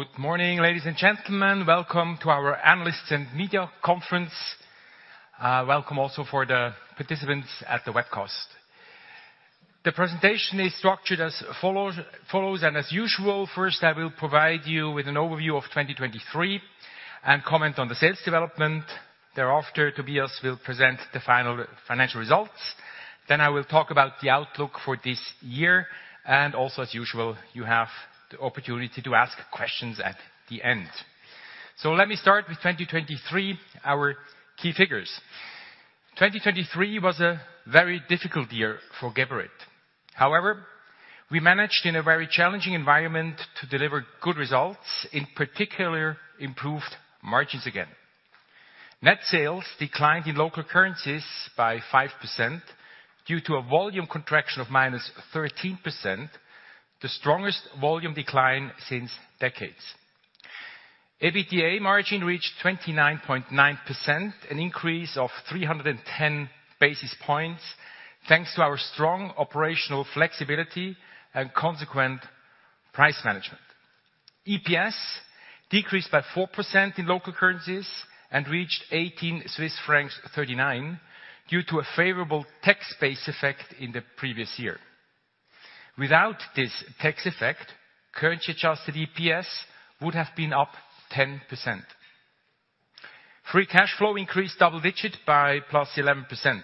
Good morning, ladies and gentlemen. Welcome to our Analysts and Media Conference. Welcome also for the participants at the webcast. The presentation is structured as follows, and as usual, first, I will provide you with an overview of 2023 and comment on the sales development. Thereafter, Tobias will present the final financial results. Then I will talk about the outlook for this year, and also as usual, you have the opportunity to ask questions at the end. Let me start with 2023, our key figures. 2023 was a very difficult year for Geberit. However, we managed, in a very challenging environment, to deliver good results, in particular, improved margins again. Net sales declined in local currencies by 5% due to a volume contraction of -13%, the strongest volume decline since decades. EBITDA margin reached 29.9%, an increase of 310 basis points, thanks to our strong operational flexibility and consequent price management. EPS decreased by 4% in local currencies and reached 18.39 Swiss francs, due to a favorable tax base effect in the previous year. Without this tax effect, currency-adjusted EPS would have been up 10%. Free cash flow increased double-digit by +11%.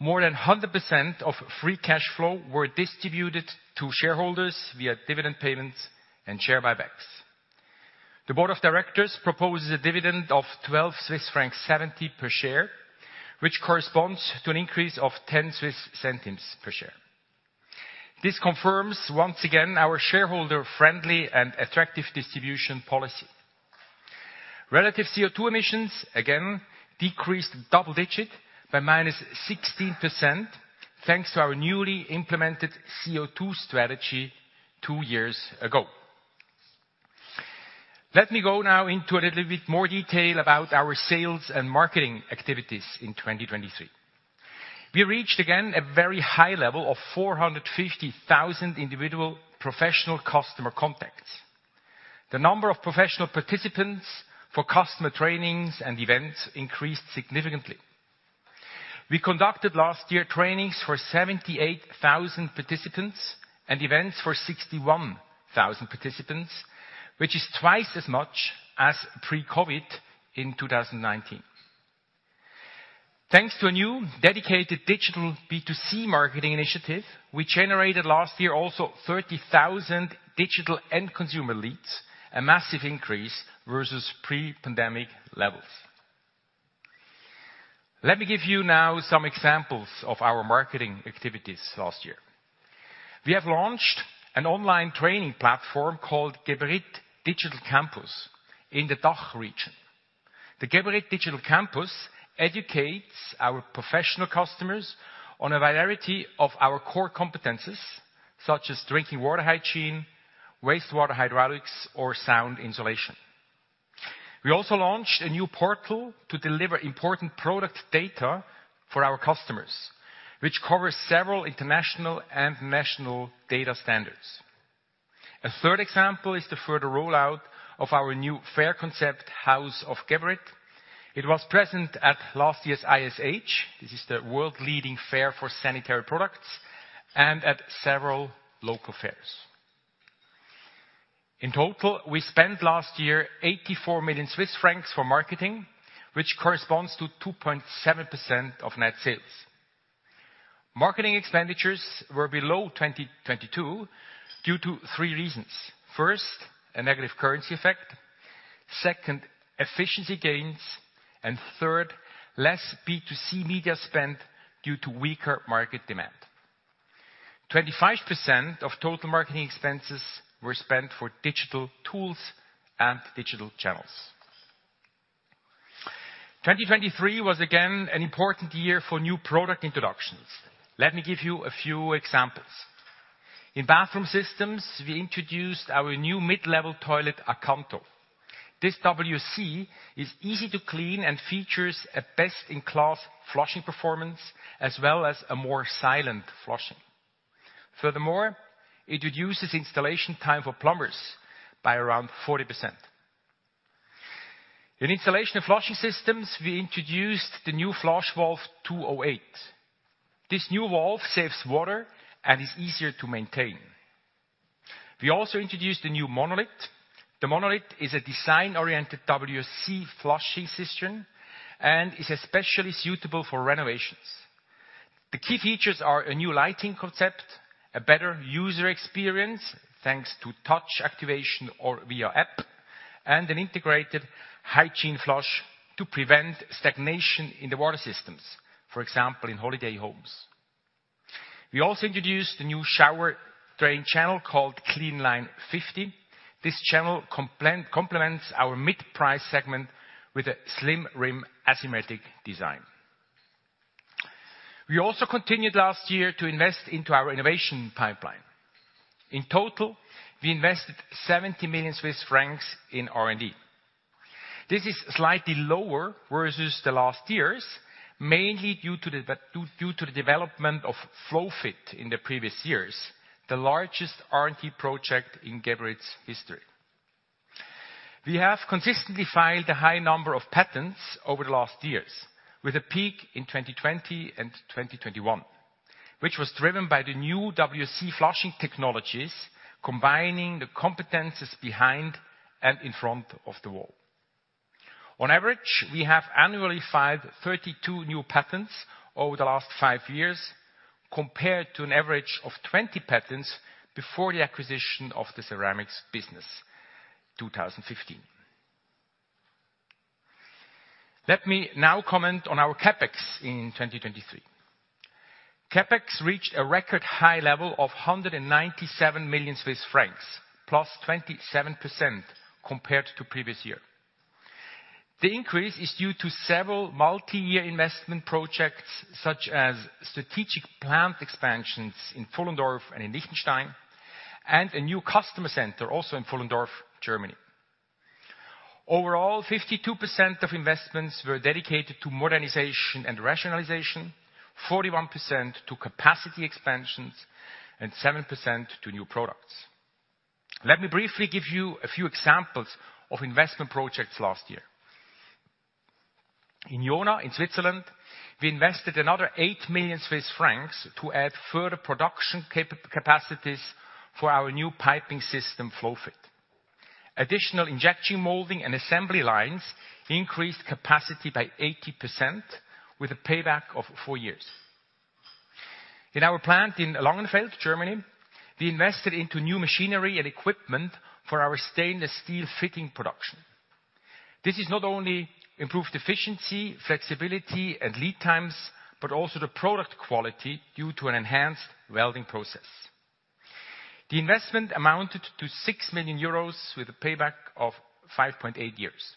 More than 100% of free cash flow were distributed to shareholders via dividend payments and share buybacks. The board of directors proposes a dividend of 12.70 Swiss francs per share, which corresponds to an increase of 0.10 CHF per share. This confirms, once again, our shareholder-friendly and attractive distribution policy. Relative CO₂ emissions, again, decreased double-digit by -16%, thanks to our newly implemented CO₂ strategy two years ago. Let me go now into a little bit more detail about our sales and marketing activities in 2023. We reached, again, a very high level of 450,000 individual professional customer contacts. The number of professional participants for customer trainings and events increased significantly. We conducted last year, trainings for 78,000 participants and events for 61,000 participants, which is twice as much as pre-COVID in 2019. Thanks to a new dedicated digital B2C marketing initiative, we generated last year also 30,000 digital end consumer leads, a massive increase versus pre-pandemic levels. Let me give you now some examples of our marketing activities last year. We have launched an online training platform called Geberit Digital Campus in the DACH region. The Geberit Digital Campus educates our professional customers on a variety of our core competencies, such as drinking water hygiene, wastewater hydraulics, or sound insulation. We also launched a new portal to deliver important product data for our customers, which covers several international and national data standards. A third example is the further rollout of our new fair concept, House of Geberit. It was present at last year's ISH, this is the world-leading fair for sanitary products, and at several local fairs. In total, we spent last year 84 million Swiss francs for marketing, which corresponds to 2.7% of net sales. Marketing expenditures were below 2022 due to three reasons: first, a negative currency effect, second, efficiency gains, and third, less B2C media spend due to weaker market demand. 25% of total marketing expenses were spent for digital tools and digital channels. 2023 was, again, an important year for new product introductions. Let me give you a few examples. In bathroom systems, we introduced our new mid-level toilet, Acanto. This WC is easy to clean and features a best-in-class flushing performance, as well as a more silent flushing. Furthermore, it reduces installation time for plumbers by around 40%. In installation of flushing systems, we introduced the new flush valve 208. This new valve saves water and is easier to maintain. We also introduced a new Monolith. The Monolith is a design-oriented WC flushing system and is especially suitable for renovations. The key features are a new lighting concept, a better user experience, thanks to touch activation or via app, and an integrated hygiene flush to prevent stagnation in the water systems, for example, in holiday homes. We also introduced a new shower drain channel called CleanLine 50. This channel complements our mid-price segment with a slim rim asymmetric design. We also continued last year to invest into our innovation pipeline. In total, we invested 70 million Swiss francs in R&D. This is slightly lower versus the last years, mainly due to the development of Flowfit in the previous years, the largest R&D project in Geberit's history. We have consistently filed a high number of patents over the last years, with a peak in 2020 and 2021, which was driven by the new WC flushing technologies, combining the competencies behind and in front of the wall. On average, we have annually filed 32 new patents over the last five years, compared to an average of 20 patents before the acquisition of the ceramics business, 2015. Let me now comment on our CapEx in 2023. CapEx reached a record high level of 197 million Swiss francs, +27% compared to previous year. The increase is due to several multi-year investment projects, such as strategic plant expansions in Pfullendorf and in Lichtenstein, and a new customer center, also in Pfullendorf, Germany. Overall, 52% of investments were dedicated to modernization and rationalization, 41% to capacity expansions, and 7% to new products. Let me briefly give you a few examples of investment projects last year. In Jona, in Switzerland, we invested another 8 million Swiss francs to add further production capacities for our new piping system, Flowfit. Additional injection molding and assembly lines increased capacity by 80%, with a payback of four years. In our plant in Langenfeld, Germany, we invested into new machinery and equipment for our stainless steel fitting production. This has not only improved efficiency, flexibility, and lead times, but also the product quality due to an enhanced welding process. The investment amounted to 6 million euros, with a payback of 5.8 years.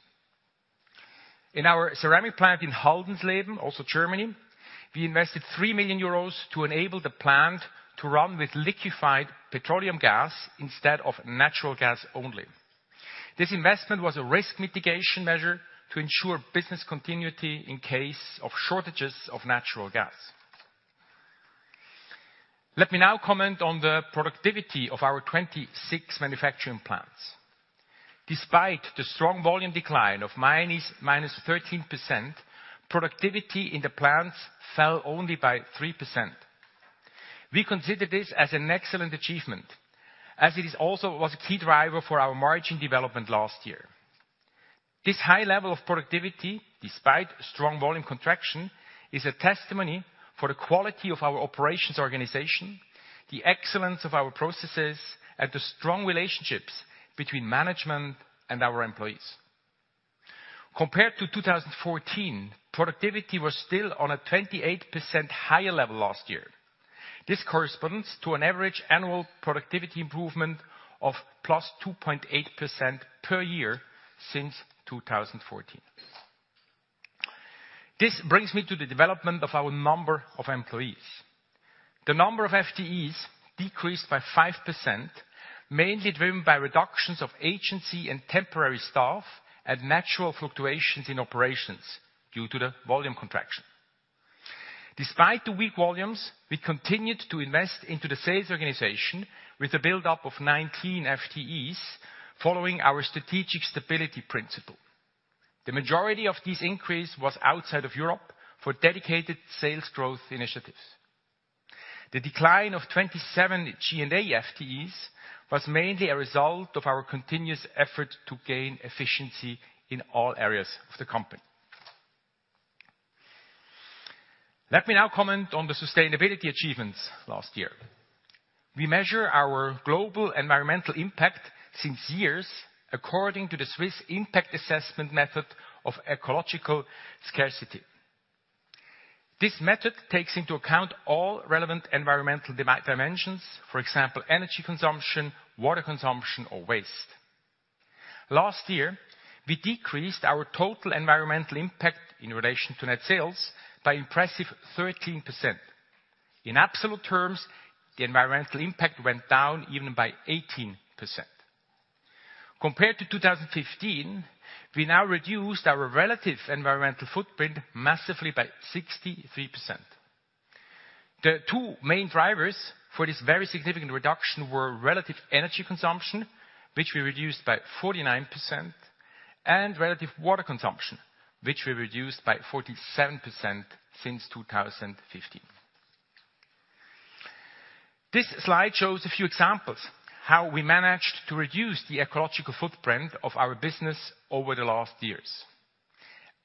In our ceramic plant in Haldensleben, also Germany, we invested 3 million euros to enable the plant to run with liquefied petroleum gas instead of natural gas only. This investment was a risk mitigation measure to ensure business continuity in case of shortages of natural gas. Let me now comment on the productivity of our 26 manufacturing plants. Despite the strong volume decline of -13%, productivity in the plants fell only by 3%. We consider this as an excellent achievement, as it is also was a key driver for our margin development last year. This high level of productivity, despite strong volume contraction, is a testimony for the quality of our operations organization, the excellence of our processes, and the strong relationships between management and our employees. Compared to 2014, productivity was still on a 28% higher level last year. This corresponds to an average annual productivity improvement of +2.8% per year since 2014. This brings me to the development of our number of employees. The number of FTEs decreased by 5%, mainly driven by reductions of agency and temporary staff, and natural fluctuations in operations due to the volume contraction. Despite the weak volumes, we continued to invest into the sales organization with a buildup of 19 FTEs, following our strategic stability principle. The majority of this increase was outside of Europe for dedicated sales growth initiatives. The decline of 27 G&A FTEs was mainly a result of our continuous effort to gain efficiency in all areas of the company. Let me now comment on the sustainability achievements last year. We measure our global environmental impact since years, according to the Swiss impact assessment method of ecological scarcity. This method takes into account all relevant environmental dimensions, for example, energy consumption, water consumption, or waste. Last year, we decreased our total environmental impact in relation to net sales by impressive 13%. In absolute terms, the environmental impact went down even by 18%. Compared to 2015, we now reduced our relative environmental footprint massively by 63%. The two main drivers for this very significant reduction were relative energy consumption, which we reduced by 49%, and relative water consumption, which we reduced by 47% since 2015. This slide shows a few examples how we managed to reduce the ecological footprint of our business over the last years.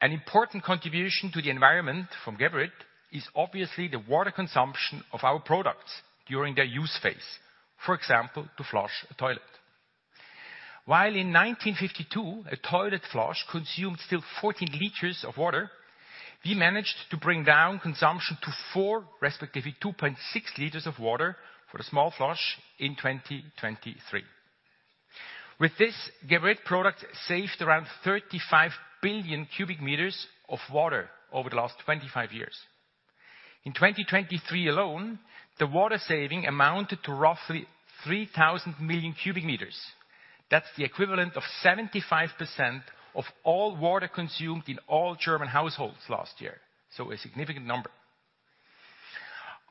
An important contribution to the environment from Geberit is obviously the water consumption of our products during their use phase, for example, to flush a toilet. While in 1952, a toilet flush consumed still 14 liters of water, we managed to bring down consumption to four, respectively 2.6 liters of water for a small flush in 2023. With this, Geberit products saved around 35 billion cubic meters of water over the last 25 years. In 2023 alone, the water saving amounted to roughly 3 billion cubic meters. That's the equivalent of 75% of all water consumed in all German households last year, so a significant number.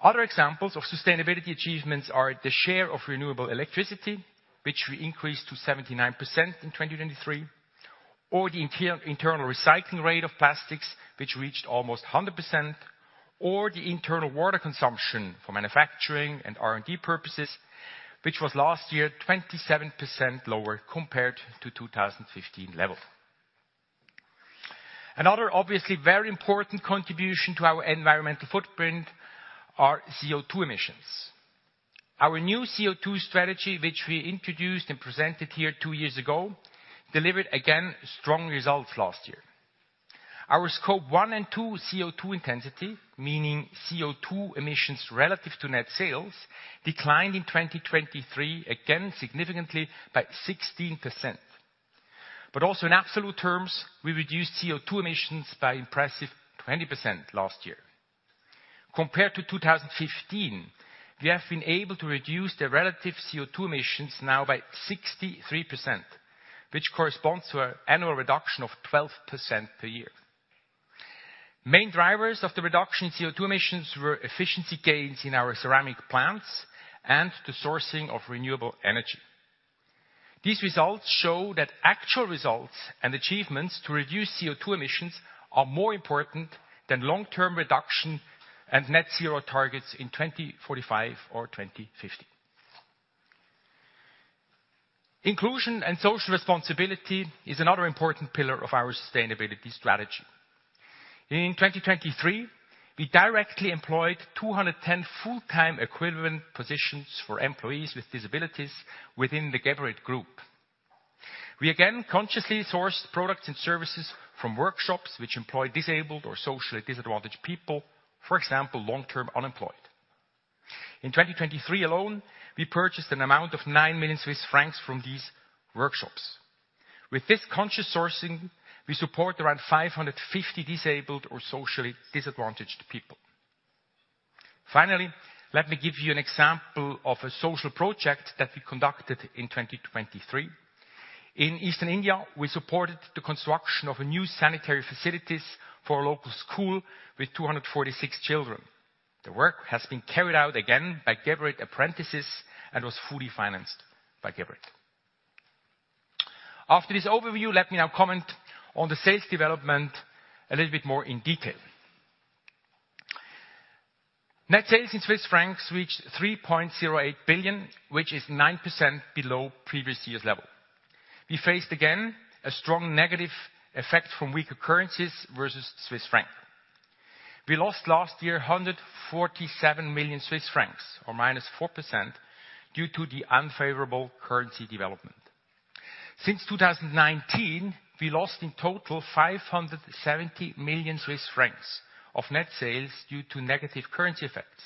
Other examples of sustainability achievements are the share of renewable electricity, which we increased to 79% in 2023, or the internal recycling rate of plastics, which reached almost 100%, or the internal water consumption for manufacturing and R&D purposes, which was last year 27% lower compared to 2015 level. Another obviously very important contribution to our environmental footprint are CO₂ emissions. Our new CO₂ strategy, which we introduced and presented here two years ago, delivered again strong results last year. Our Scope 1 and 2 CO₂ intensity, meaning CO₂ emissions relative to net sales, declined in 2023, again, significantly by 16%. But also in absolute terms, we reduced CO₂ emissions by impressive 20% last year. Compared to 2015, we have been able to reduce the relative CO₂ emissions now by 63%, which corresponds to an annual reduction of 12% per year. Main drivers of the reduction in CO₂ emissions were efficiency gains in our ceramic plants and the sourcing of renewable energy. These results show that actual results and achievements to reduce CO₂ emissions are more important than long-term reduction and net zero targets in 2045 or 2050. Inclusion and social responsibility is another important pillar of our sustainability strategy. In 2023, we directly employed 210 full-time equivalent positions for employees with disabilities within the Geberit Group. We again consciously sourced products and services from workshops which employ disabled or socially disadvantaged people, for example, long-term unemployed. In 2023 alone, we purchased an amount of 9 million Swiss francs from these workshops. With this conscious sourcing, we support around 550 disabled or socially disadvantaged people. Finally, let me give you an example of a social project that we conducted in 2023. In Eastern India, we supported the construction of a new sanitary facilities for a local school with 246 children. The work has been carried out again by Geberit apprentices and was fully financed by Geberit. After this overview, let me now comment on the sales development a little bit more in detail. Net sales in Swiss francs reached 3.08 billion, which is 9% below previous year's level. We faced, again, a strong negative effect from weaker currencies versus Swiss franc. We lost last year, 147 million Swiss francs, or -4%, due to the unfavorable currency development. Since 2019, we lost in total 570 million Swiss francs of net sales due to negative currency effects.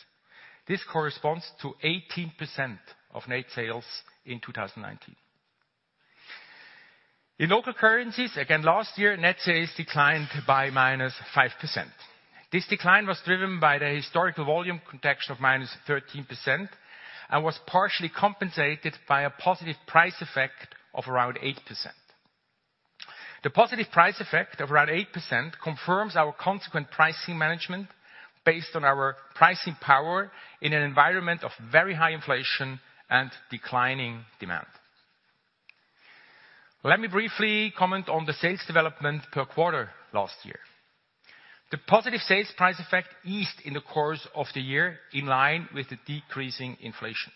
This corresponds to 18% of net sales in 2019. In local currencies, again, last year, net sales declined by -5%. This decline was driven by the historical volume context of -13%, and was partially compensated by a positive price effect of around 8%. The positive price effect of around 8% confirms our consequent pricing management based on our pricing power in an environment of very high inflation and declining demand. Let me briefly comment on the sales development per quarter last year. The positive sales price effect eased in the course of the year, in line with the decreasing inflation.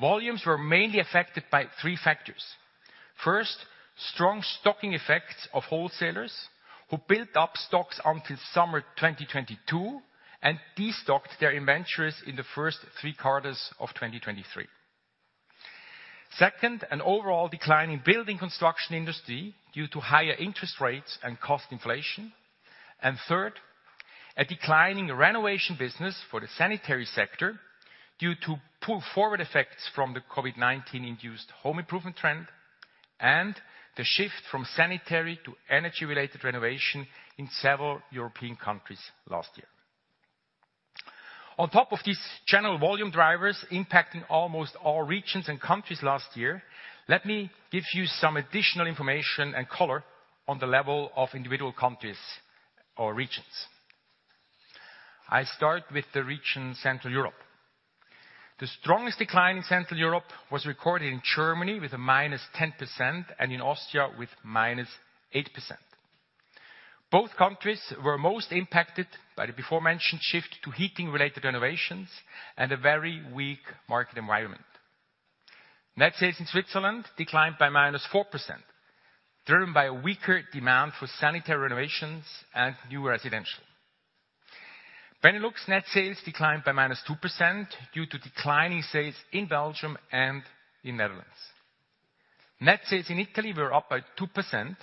Volumes were mainly affected by three factors. First, strong stocking effects of wholesalers, who built up stocks until summer 2022, and destocked their inventories in the first three quarters of 2023. Second, an overall decline in building construction industry due to higher interest rates and cost inflation. And third, a declining renovation business for the sanitary sector, due to pull forward effects from the COVID-19 induced home improvement trend, and the shift from sanitary to energy-related renovation in several European countries last year. On top of these general volume drivers impacting almost all regions and countries last year, let me give you some additional information and color on the level of individual countries or regions. I start with the region, Central Europe. The strongest decline in Central Europe was recorded in Germany with a -10% and in Austria with a -8%. Both countries were most impacted by the beforementioned shift to heating-related renovations and a very weak market environment. Net sales in Switzerland declined by -4%, driven by a weaker demand for sanitary renovations and new residential. Benelux net sales declined by -2% due to declining sales in Belgium and in Netherlands. Net sales in Italy were up by 2%,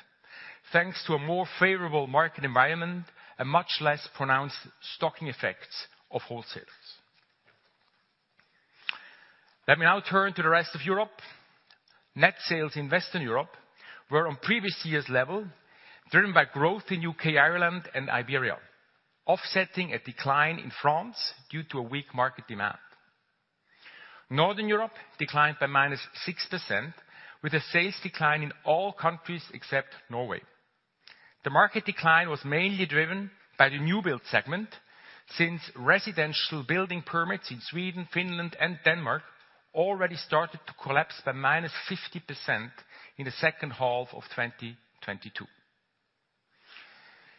thanks to a more favorable market environment and much less pronounced stocking effects of wholesalers. Let me now turn to the rest of Europe. Net sales in Western Europe were on previous year's level, driven by growth in UK, Ireland, and Iberia, offsetting a decline in France due to a weak market demand. Northern Europe declined by -6%, with a sales decline in all countries except Norway. The market decline was mainly driven by the new build segment, since residential building permits in Sweden, Finland, and Denmark already started to collapse by -50% in the second half of 2022.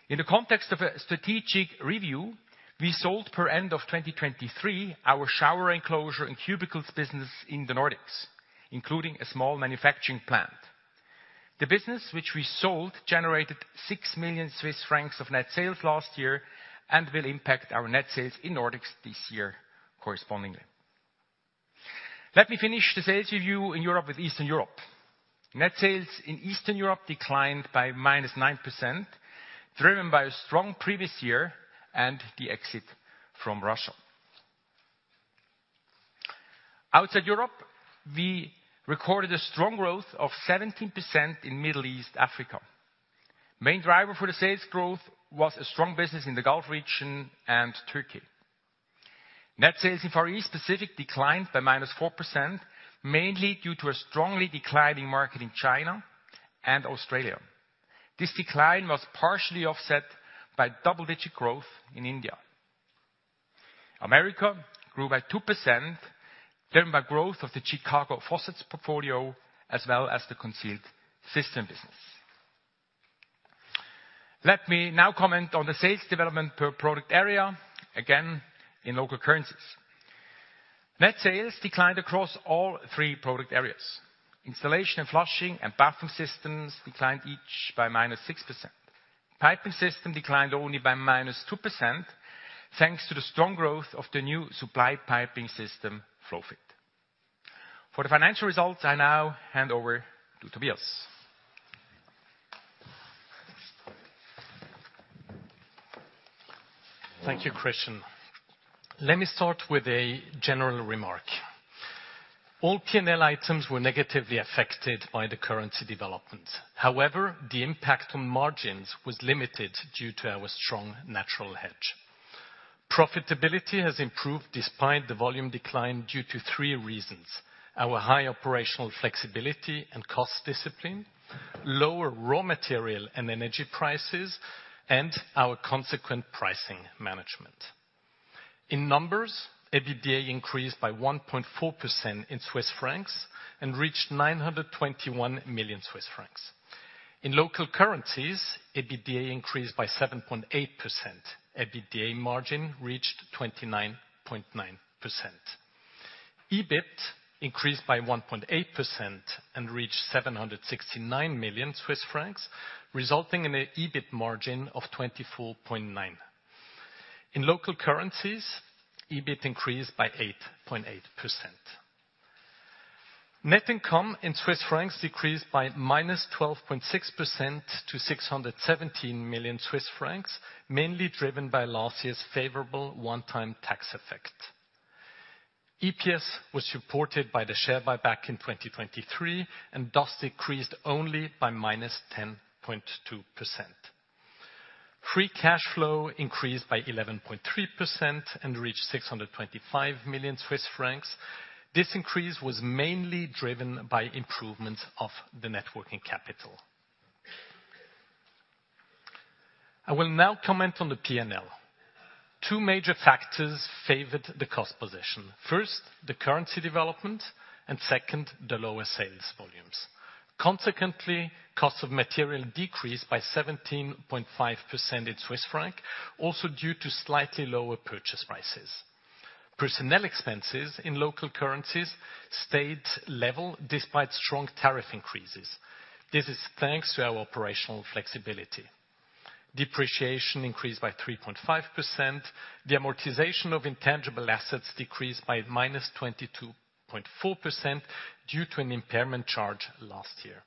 In the context of a strategic review, we sold by end of 2023, our shower enclosure and cubicles business in the Nordics, including a small manufacturing plant. The business which we sold, generated 6 million Swiss francs of net sales last year, and will impact our net sales in Nordics this year correspondingly. Let me finish the sales review in Europe with Eastern Europe. Net sales in Eastern Europe declined by -9%, driven by a strong previous year and the exit from Russia. Outside Europe, we recorded a strong growth of 17% in Middle East, Africa. Main driver for the sales growth was a strong business in the Gulf region and Turkey. Net sales in Far East Pacific declined by -4%, mainly due to a strongly declining market in China and Australia. This decline was partially offset by double-digit growth in India. America grew by 2%, driven by growth of the Chicago Faucets portfolio, as well as the concealed system business. Let me now comment on the sales development per product area, again, in local currencies. Net sales declined across all three product areas. Installation and flushing and bathroom systems declined each by -6%. Piping system declined only by -2%, thanks to the strong growth of the new supply piping system, Flowfit. For the financial results, I now hand over to Tobias. Thank you, Christian. Let me start with a general remark. All P&L items were negatively affected by the currency development. However, the impact on margins was limited due to our strong natural hedge. Profitability has improved despite the volume decline due to three reasons: our high operational flexibility and cost discipline, lower raw material and energy prices, and our consequent pricing management. In numbers, EBITDA increased by 1.4% in Swiss francs and reached 921 million Swiss francs. In local currencies, EBITDA increased by 7.8%. EBITDA margin reached 29.9%. EBIT increased by 1.8% and reached 769 million Swiss francs, resulting in a EBIT margin of 24.9%. In local currencies, EBIT increased by 8.8%. Net income in Swiss francs decreased by -12.6% to 617 million Swiss francs, mainly driven by last year's favorable one-time tax effect. EPS was supported by the share buyback in 2023, and thus decreased only by -10.2%. Free cash flow increased by 11.3% and reached 625 million Swiss francs. This increase was mainly driven by improvements of the net working capital. I will now comment on the P&L. Two major factors favored the cost position. First, the currency development, and second, the lower sales volumes. Consequently, cost of material decreased by 17.5% in Swiss francs, also due to slightly lower purchase prices. Personnel expenses in local currencies stayed level despite strong tariff increases. This is thanks to our operational flexibility. Depreciation increased by 3.5%. The amortization of intangible assets decreased by -22.4% due to an impairment charge last year.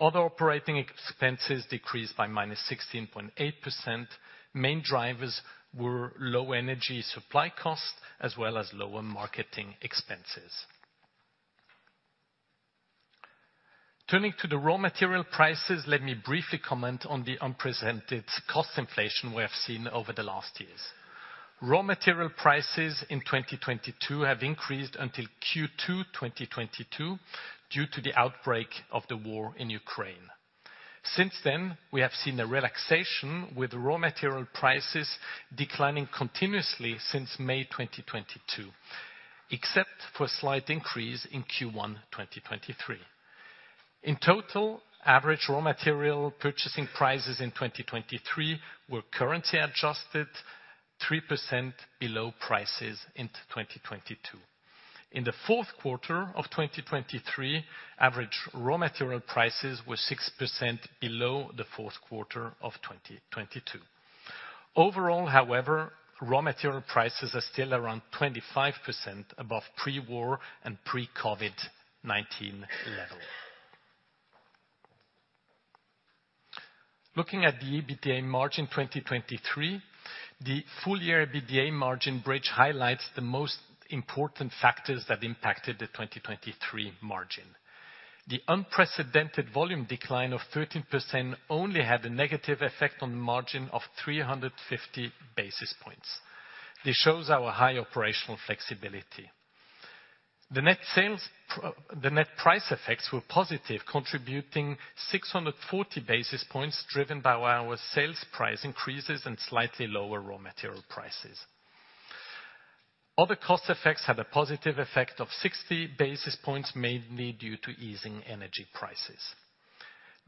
Other operating expenses decreased by -16.8%. Main drivers were low energy supply costs, as well as lower marketing expenses. Turning to the raw material prices, let me briefly comment on the unprecedented cost inflation we have seen over the last years. Raw material prices in 2022 have increased until Q2 2022 due to the outbreak of the war in Ukraine. Since then, we have seen a relaxation with raw material prices declining continuously since May 2022, except for a slight increase in Q1 2023. In total, average raw material purchasing prices in 2023 were currency adjusted 3% below prices in 2022. In the fourth quarter of 2023, average raw material prices were 6% below the fourth quarter of 2022. Overall, however, raw material prices are still around 25% above pre-war and pre-COVID-19 level. Looking at the EBITDA margin 2023, the full-year EBITDA margin bridge highlights the most important factors that impacted the 2023 margin. The unprecedented volume decline of 13% only had a negative effect on the margin of 350 basis points. This shows our high operational flexibility. The net price effects were positive, contributing 640 basis points, driven by our sales price increases and slightly lower raw material prices. Other cost effects had a positive effect of 60 basis points, mainly due to easing energy prices.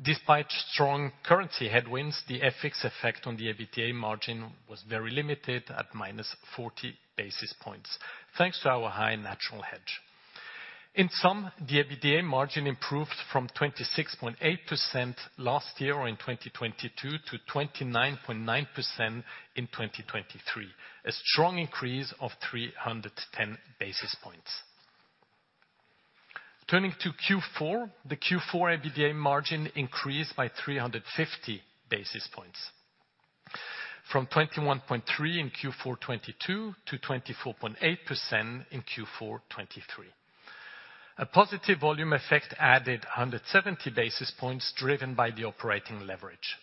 Despite strong currency headwinds, the FX effect on the EBITDA margin was very limited at -40 basis points, thanks to our high natural hedge. In sum, the EBITDA margin improved from 26.8% last year or in 2022, to 29.9% in 2023, a strong increase of 310 basis points. Turning to Q4, the Q4 EBITDA margin increased by 350 basis points, from 21.3 in Q4 2022, to 24.8% in Q4 2023. A positive volume effect added 170 basis points, driven by the operating leverage.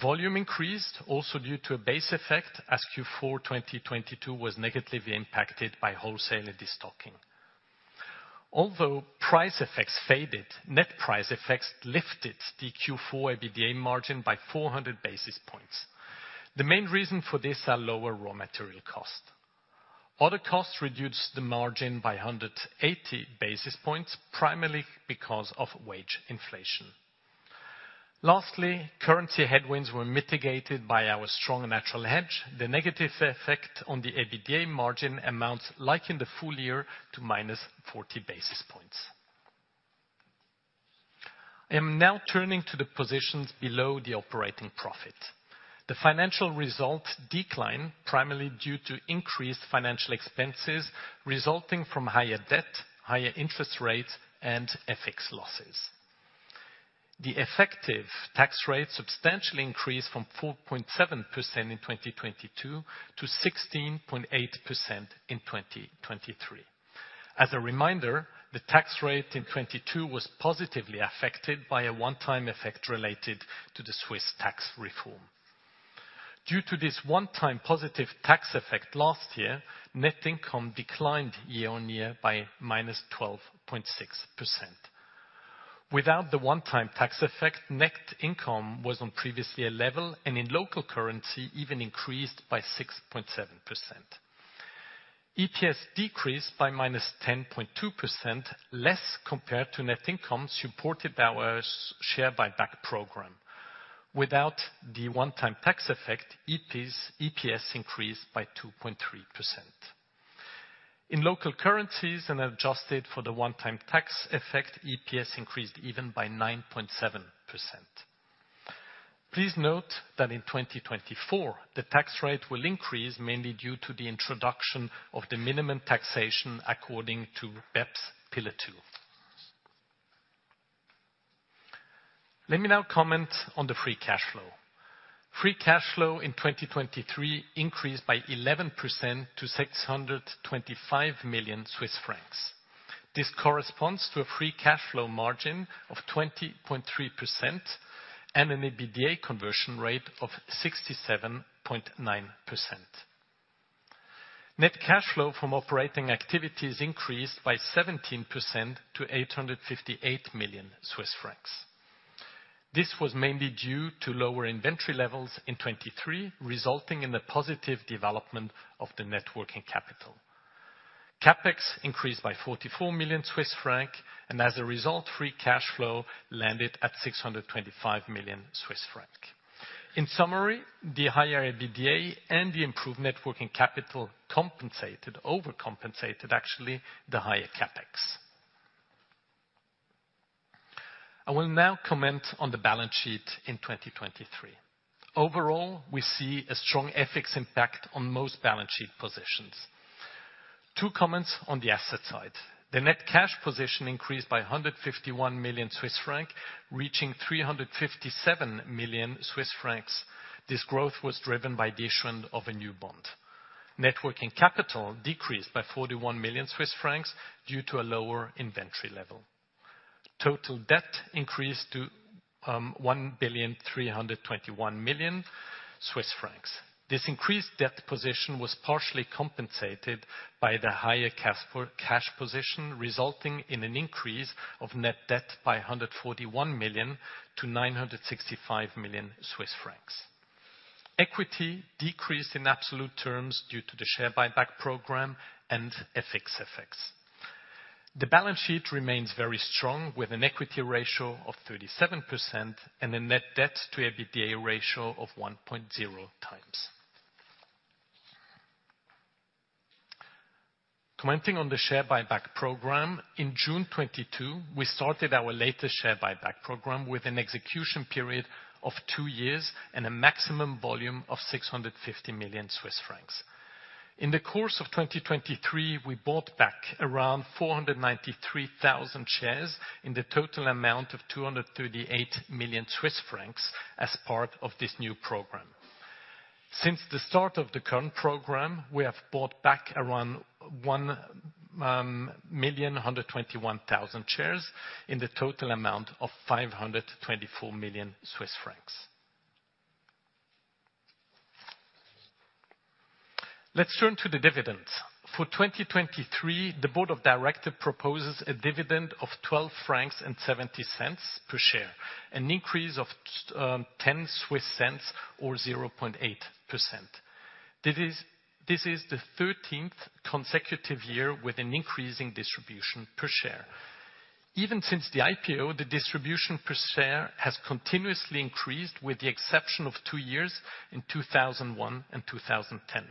Volume increased also due to a base effect, as Q4 2022 was negatively impacted by wholesale and destocking. Although price effects faded, net price effects lifted the Q4 EBITDA margin by 400 basis points. The main reason for this are lower raw material cost. Other costs reduced the margin by 180 basis points, primarily because of wage inflation. Lastly, currency headwinds were mitigated by our strong natural hedge. The negative effect on the EBITDA margin amounts, like in the full-year, to -40 basis points. I am now turning to the positions below the operating profit. The financial result declined primarily due to increased financial expenses, resulting from higher debt, higher interest rates, and FX losses. The effective tax rate substantially increased from 4.7% in 2022, to 16.8% in 2023. As a reminder, the tax rate in 2022 was positively affected by a one-time effect related to the Swiss tax reform. Due to this one-time positive tax effect last year, net income declined year-on-year by -12.6%. Without the one-time tax effect, net income was on previous year level, and in local currency, even increased by 6.7%. EPS decreased by -10.2%, less compared to net income, supported by our s- share buyback program. Without the one-time tax effect, EPS, EPS increased by 2.3%. In local currencies and adjusted for the one-time tax effect, EPS increased even by 9.7%. Please note that in 2024, the tax rate will increase, mainly due to the introduction of the minimum taxation according to BEPS Pillar Two. Let me now comment on the free cash flow. Free cash flow in 2023 increased by 11% to 625 million Swiss francs. This corresponds to a free cash flow margin of 20.3% and an EBITDA conversion rate of 67.9%. Net cash flow from operating activities increased by 17% to 858 million Swiss francs. This was mainly due to lower inventory levels in 2023, resulting in the positive development of the net working capital. CapEx increased by 44 million Swiss franc, and as a result, free cash flow landed at 625 million Swiss franc. In summary, the higher EBITDA and the improved net working capital compensated, overcompensated, actually, the higher CapEx. I will now comment on the balance sheet in 2023. Overall, we see a strong FX impact on most balance sheet positions. Two comments on the asset side. The net cash position increased by 151 million Swiss francs, reaching 357 million Swiss francs. This growth was driven by the issuance of a new bond. Net working capital decreased by 41 million Swiss francs due to a lower inventory level. Total debt increased to 1.321 billion Swiss francs. This increased debt position was partially compensated by the higher cash position, resulting in an increase of net debt by 141-965 million Swiss francs. Equity decreased in absolute terms due to the share buyback program and FX effects. The balance sheet remains very strong, with an equity ratio of 37% and a net debt to EBITDA ratio of 1.0x. Commenting on the share buyback program, in June 2022, we started our latest share buyback program with an execution period of two years and a maximum volume of 650 million Swiss francs. In the course of 2023, we bought back around 493,000 shares in the total amount of 238 million Swiss francs as part of this new program. Since the start of the current program, we have bought back around 1 million 121,000 shares in the total amount of 524 million Swiss francs. Let's turn to the dividends. For 2023, the board of directors proposes a dividend of 12.70 francs per share, an increase of ten Swiss cents or 0.8%. This is the 13th consecutive year with an increasing distribution per share. Even since the IPO, the distribution per share has continuously increased, with the exception of two years in 2001 and 2010.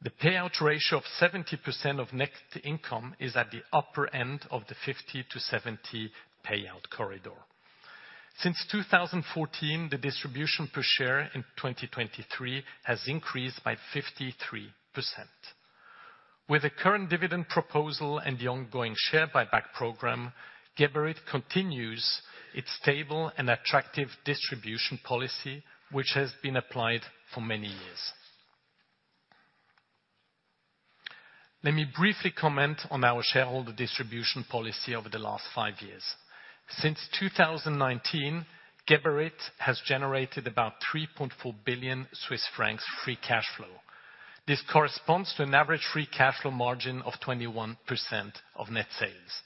The payout ratio of 70% of net income is at the upper end of the 50%-70% payout corridor. Since 2014, the distribution per share in 2023 has increased by 53%. With the current dividend proposal and the ongoing share buyback program, Geberit continues its stable and attractive distribution policy, which has been applied for many years. Let me briefly comment on our shareholder distribution policy over the last five years. Since 2019, Geberit has generated about 3.4 billion Swiss francs free cash flow. This corresponds to an average free cash flow margin of 21% of net sales.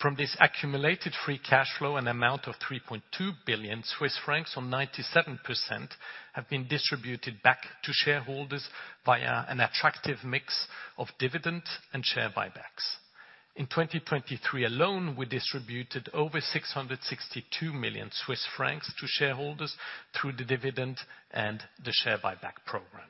From this accumulated free cash flow, an amount of 3.2 billion Swiss francs, or 97%, have been distributed back to shareholders via an attractive mix of dividend and share buybacks. In 2023 alone, we distributed over 662 million Swiss francs to shareholders through the dividend and the share buyback program.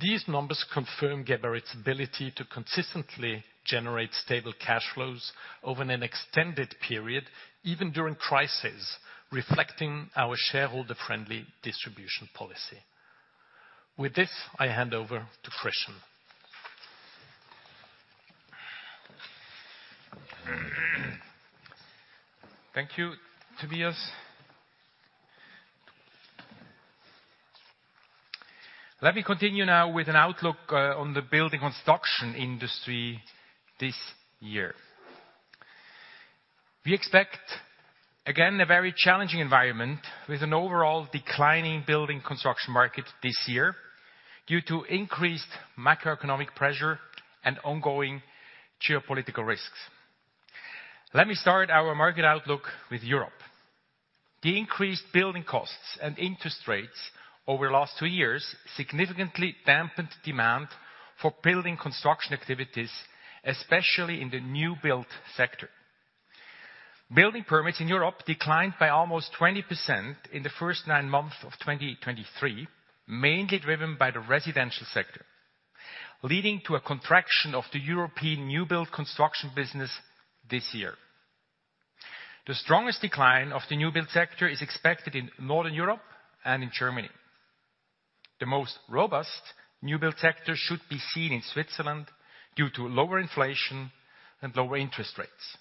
These numbers confirm Geberit's ability to consistently generate stable cash flows over an extended period, even during crises, reflecting our shareholder-friendly distribution policy. With this, I hand over to Christian. Thank you, Tobias. Let me continue now with an outlook on the building construction industry this year. We expect, again, a very challenging environment with an overall declining building construction market this year due to increased macroeconomic pressure and ongoing geopolitical risks. Let me start our market outlook with Europe. The increased building costs and interest rates over the last two years significantly dampened demand for building construction activities, especially in the new build sector. Building permits in Europe declined by almost 20% in the first nine months of 2023, mainly driven by the residential sector, leading to a contraction of the European new build construction business this year. The strongest decline of the new build sector is expected in Northern Europe and in Germany. The most robust new build sector should be seen in Switzerland due to lower inflation and lower interest rates.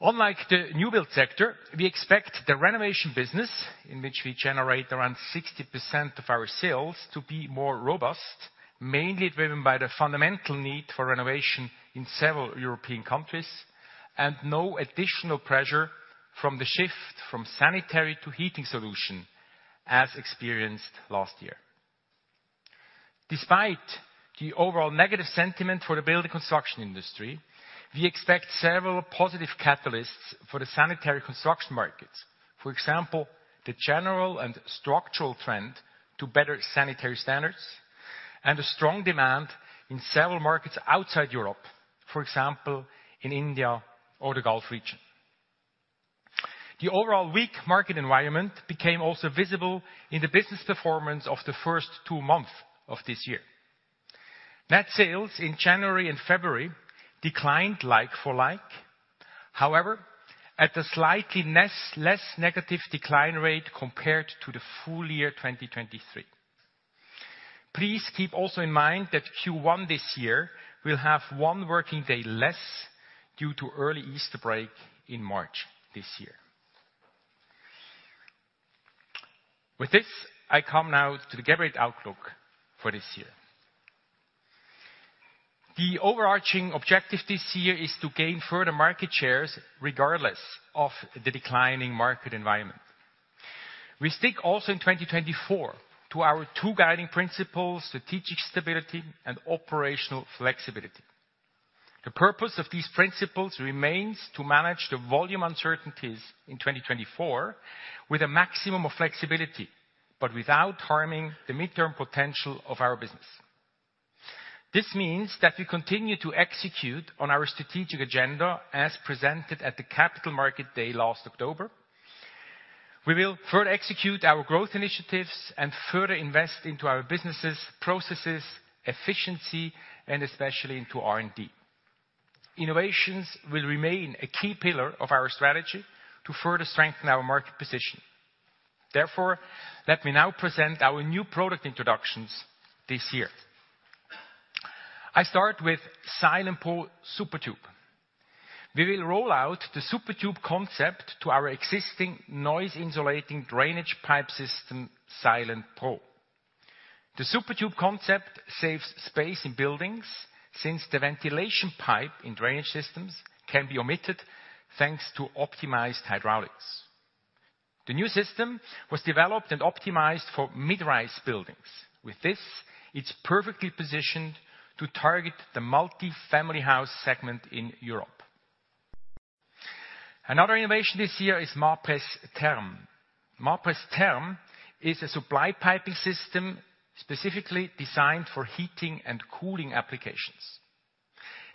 Unlike the new build sector, we expect the renovation business, in which we generate around 60% of our sales, to be more robust, mainly driven by the fundamental need for renovation in several European countries, and no additional pressure from the shift from sanitary to heating solution, as experienced last year. Despite the overall negative sentiment for the building construction industry, we expect several positive catalysts for the sanitary construction markets. For example, the general and structural trend to better sanitary standards and a strong demand in several markets outside Europe, for example, in India or the Gulf region. The overall weak market environment became also visible in the business performance of the first two months of this year. Net sales in January and February declined like for like, however, at a slightly less, less negative decline rate compared to the full-year 2023. Please keep also in mind that Q1 this year will have one working day less due to early Easter break in March this year. With this, I come now to the Geberit outlook for this year. The overarching objective this year is to gain further market shares regardless of the declining market environment. We stick also in 2024 to our two guiding principles: strategic stability and operational flexibility. The purpose of these principles remains to manage the volume uncertainties in 2024 with a maximum of flexibility, but without harming the midterm potential of our business. This means that we continue to execute on our strategic agenda as presented at the Capital Market Day last October. We will further execute our growth initiatives and further invest into our businesses, processes, efficiency, and especially into R&D. Innovations will remain a key pillar of our strategy to further strengthen our market position. Therefore, let me now present our new product introductions this year. I start with Silent-Pro SuperTube. We will roll out the SuperTube concept to our existing noise-insulating drainage pipe system, Silent-Pro. The SuperTube concept saves space in buildings, since the ventilation pipe in drainage systems can be omitted, thanks to optimized hydraulics. The new system was developed and optimized for mid-rise buildings. With this, it's perfectly positioned to target the multifamily house segment in Europe. Another innovation this year is Mapress Therm. Mapress Therm is a supply piping system specifically designed for heating and cooling applications.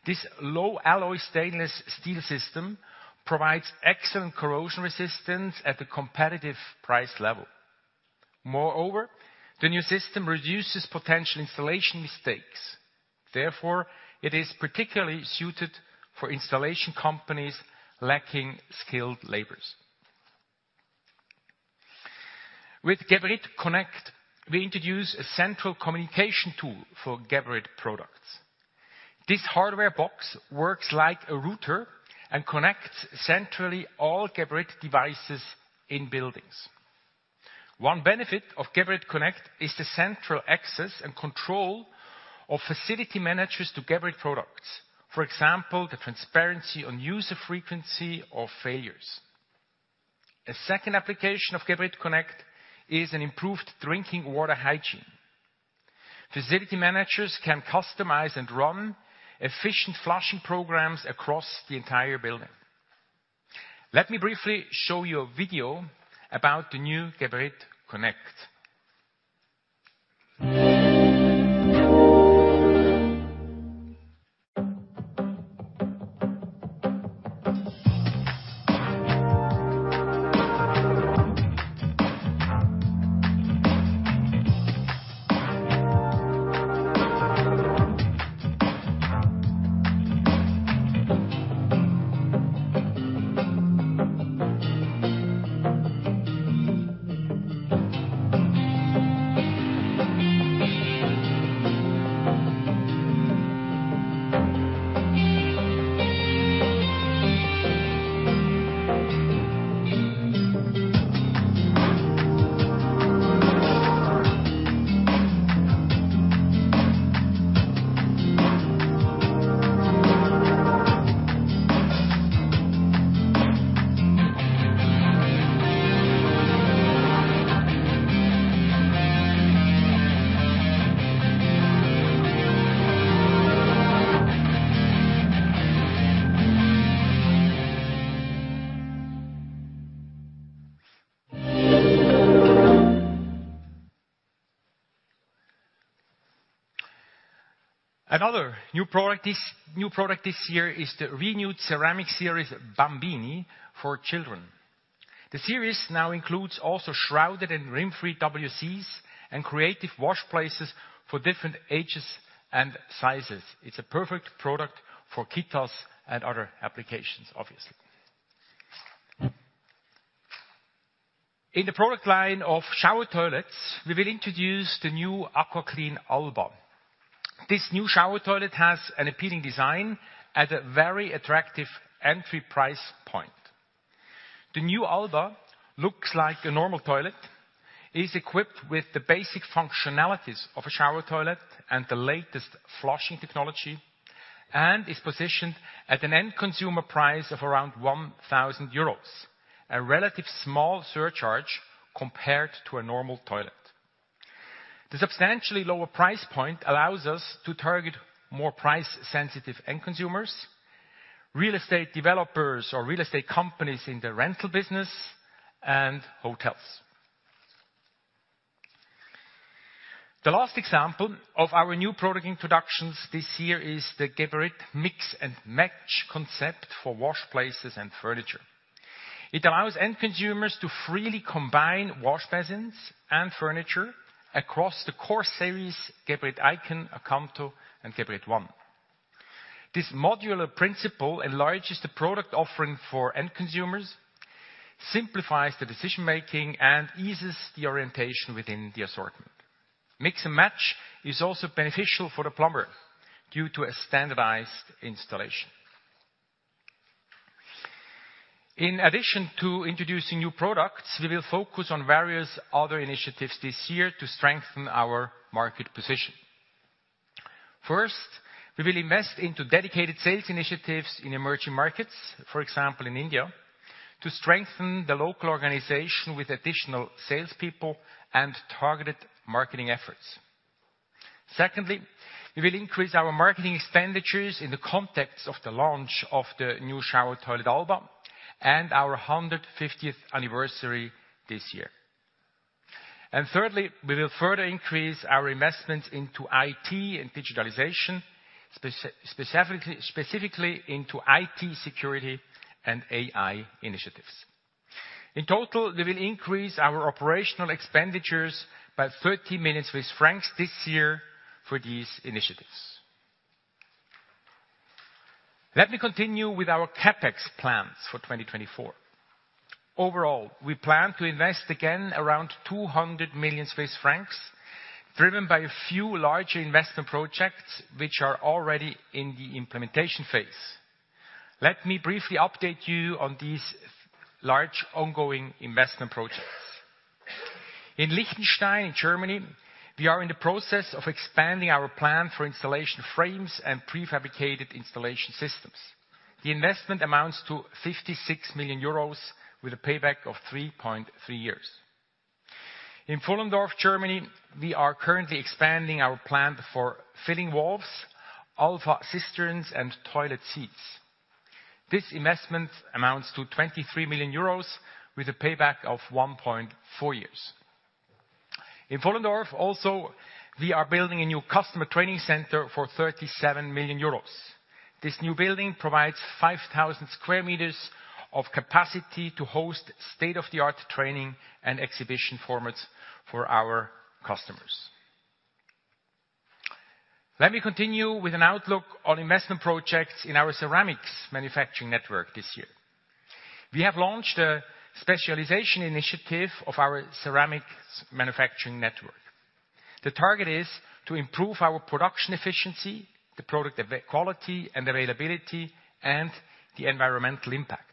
This low-alloy stainless steel system provides excellent corrosion resistance at a competitive price level. Moreover, the new system reduces potential installation mistakes. Therefore, it is particularly suited for installation companies lacking skilled laborers. With Geberit Connect, we introduce a central communication tool for Geberit products. This hardware box works like a router and connects centrally all Geberit devices in buildings. One benefit of Geberit Connect is the central access and control of facility managers to Geberit products. For example, the transparency on user frequency or failures. A second application of Geberit Connect is an improved drinking water hygiene. Facility managers can customize and run efficient flushing programs across the entire building. Let me briefly show you a video about the new Geberit Connect. Another new product this year is the renewed ceramic series, Bambini, for children. The series now includes also shrouded and rim-free WCs and creative washplaces for different ages and sizes. It's a perfect product for Kitas and other applications, obviously. In the product line of shower toilets, we will introduce the new AquaClean Alba. This new shower toilet has an appealing design at a very attractive entry price point. The new Alba looks like a normal toilet, is equipped with the basic functionalities of a shower toilet and the latest flushing technology, and is positioned at an end consumer price of around 1,000 euros, a relatively small surcharge compared to a normal toilet. The substantially lower price point allows us to target more price-sensitive end consumers, real estate developers or real estate companies in the rental business, and hotels. The last example of our new product introductions this year is the Geberit Mix and Match concept for washbasins and furniture. It allows end consumers to freely combine washbasins and furniture across the core series, Geberit iCon, Acanto, and Geberit One. This modular principle enlarges the product offering for end consumers, simplifies the decision-making, and eases the orientation within the assortment. Mix and Match is also beneficial for the plumber due to a standardized installation. In addition to introducing new products, we will focus on various other initiatives this year to strengthen our market position. First, we will invest into dedicated sales initiatives in emerging markets, for example, in India, to strengthen the local organization with additional salespeople and targeted marketing efforts. Secondly, we will increase our marketing expenditures in the context of the launch of the new shower toilet, Alba, and our 150th anniversary this year. And thirdly, we will further increase our investments into IT and digitalization, specifically into IT security and AI initiatives. In total, we will increase our operational expenditures by 30 million francs this year for these initiatives. Let me continue with our CapEx plans for 2024. Overall, we plan to invest again around 200 million Swiss francs, driven by a few larger investment projects, which are already in the implementation phase. Let me briefly update you on these large ongoing investment projects. In Lichtenstein, Germany, we are in the process of expanding our plant for installation frames and prefabricated installation systems. The investment amounts to 56 million euros, with a payback of 3.3 years. In Pfullendorf, Germany, we are currently expanding our plant for framing walls, in-wall cisterns, and toilet seats. This investment amounts to 23 million euros, with a payback of 1.4 years. In Pfullendorf, also, we are building a new customer training center for 37 million euros. This new building provides 5,000 square meters of capacity to host state-of-the-art training and exhibition formats for our customers. Let me continue with an outlook on investment projects in our ceramics manufacturing network this year. We have launched a specialization initiative of our ceramics manufacturing network. The target is to improve our production efficiency, the product of the quality and availability, and the environmental impact.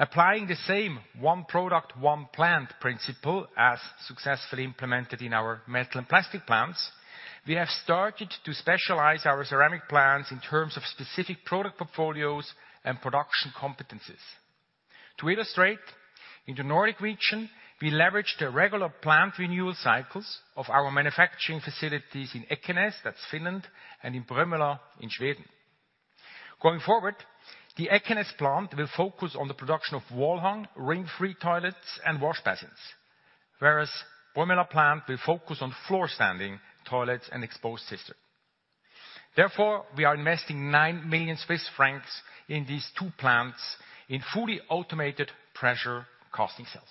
Applying the same one product, one plant principle, as successfully implemented in our metal and plastic plants, we have started to specialize our ceramic plants in terms of specific product portfolios and production competencies. To illustrate, in the Nordic region, we leveraged the regular plant renewal cycles of our manufacturing facilities in Ekenäs, that's Finland, and in Bromölla, in Sweden. Going forward, the Ekenäs plant will focus on the production of wall hung, rim-free toilets, and washbasins. Whereas Bromölla plant will focus on floor-standing toilets and exposed cisterns. Therefore, we are investing 9 million Swiss francs in these two plants in fully automated pressure casting cells.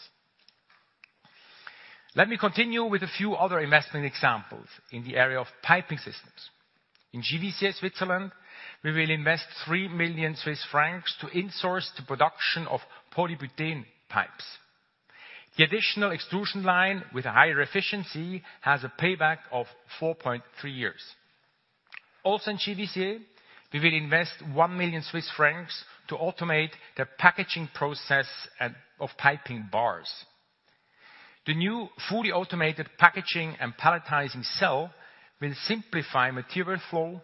Let me continue with a few other investment examples in the area of piping systems. In Givisiez, Switzerland, we will invest 3 million Swiss francs to insource the production of polybutene pipes. The additional extrusion line, with higher efficiency, has a payback of 4.3 years. Also, in Givisiez, we will invest 1 million Swiss francs to automate the packaging process and, of piping bars. The new fully automated packaging and palletizing cell will simplify material flow,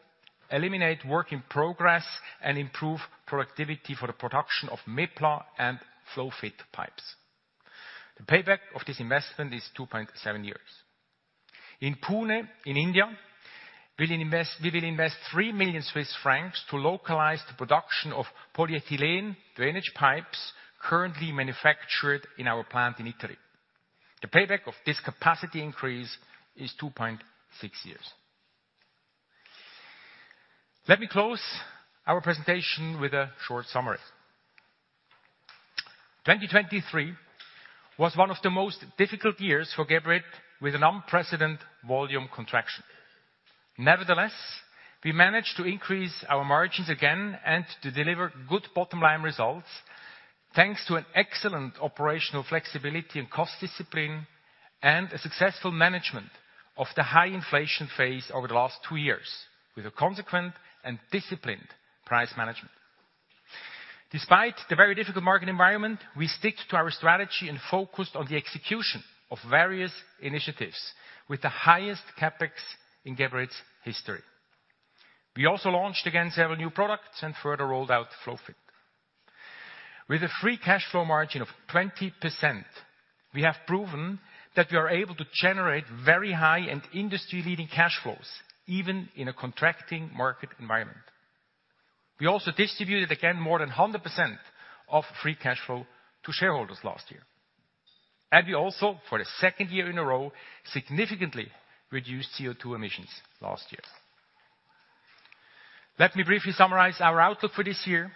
eliminate work in progress, and improve productivity for the production of MEPLA and Flowfit pipes. The payback of this investment is 2.7 years. In Pune, in India, we will invest 3 million Swiss francs to localize the production of polyethylene drainage pipes currently manufactured in our plant in Italy. The payback of this capacity increase is 2.6 years. Let me close our presentation with a short summary. 2023 was one of the most difficult years for Geberit, with an unprecedented volume contraction. Nevertheless, we managed to increase our margins again and to deliver good bottom-line results, thanks to an excellent operational flexibility and cost discipline, and a successful management of the high inflation phase over the last two years, with a consequent and disciplined price management. Despite the very difficult market environment, we stuck to our strategy and focused on the execution of various initiatives, with the highest CapEx in Geberit's history. We also launched, again, several new products and further rolled out Flowfit. With a free cash flow margin of 20%, we have proven that we are able to generate very high and industry-leading cash flows, even in a contracting market environment. We also distributed, again, more than 100% of free cash flow to shareholders last year. We also, for the second year in a row, significantly reduced CO2 emissions last year. Let me briefly summarize our outlook for this year.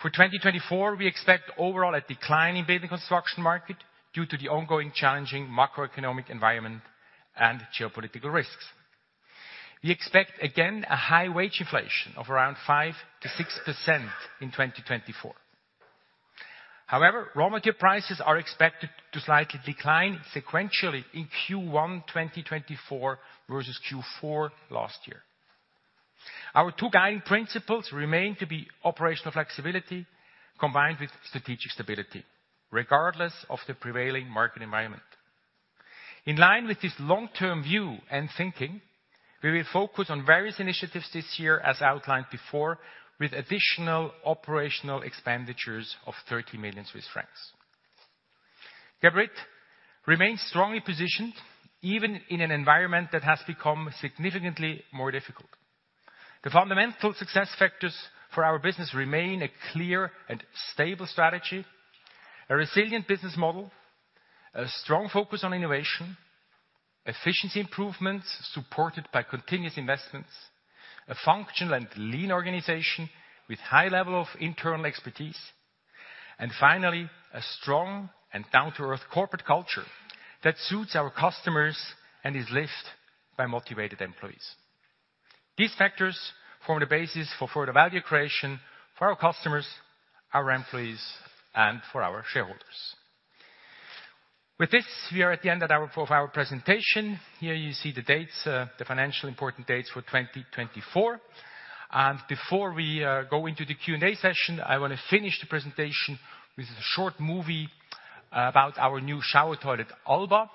For 2024, we expect overall a decline in building construction market, due to the ongoing challenging macroeconomic environment and geopolitical risks. We expect, again, a high wage inflation of around 5%-6% in 2024. However, raw material prices are expected to slightly decline sequentially in Q1 2024 versus Q4 last year. Our two guiding principles remain to be operational flexibility, combined with strategic stability, regardless of the prevailing market environment. In line with this long-term view and thinking, we will focus on various initiatives this year, as outlined before, with additional operational expenditures of CHF 30 million. Geberit remains strongly positioned, even in an environment that has become significantly more difficult. The fundamental success factors for our business remain a clear and stable strategy, a resilient business model, a strong focus on innovation, efficiency improvements supported by continuous investments, a functional and lean organization with high level of internal expertise, and finally, a strong and down-to-earth corporate culture that suits our customers and is lived by motivated employees. These factors form the basis for further value creation for our customers, our employees, and for our shareholders. With this, we are at the end of our, of our presentation. Here you see the dates, the financially important dates for 2024. And before we go into the Q&A session, I want to finish the presentation with a short movie about our new shower toilet, Alba.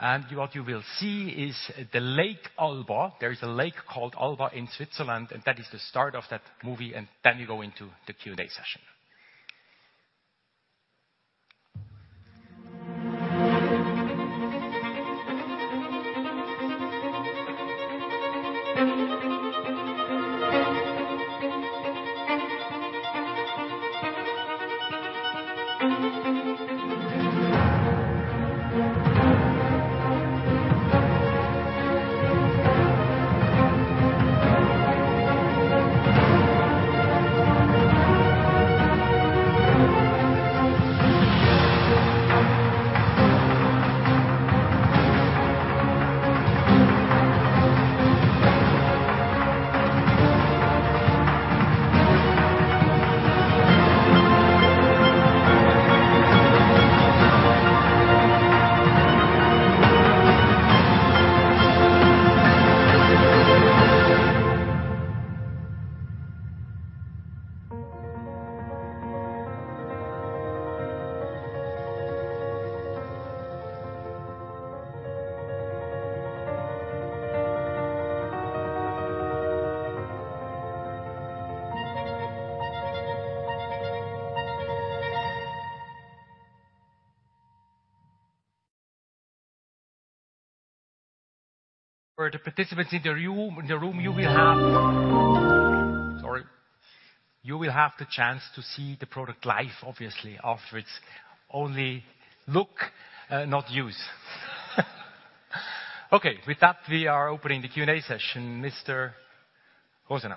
And what you will see is the Alba. There is a lake called Alba in Switzerland, and that is the start of that movie, and then we go into the Q&A session. For the participants in the room, you will have. Sorry. You will have the chance to see the product live, obviously, afterwards. Only look, not use. Okay, with that, we are opening the Q&A session. Mr. Rosenau?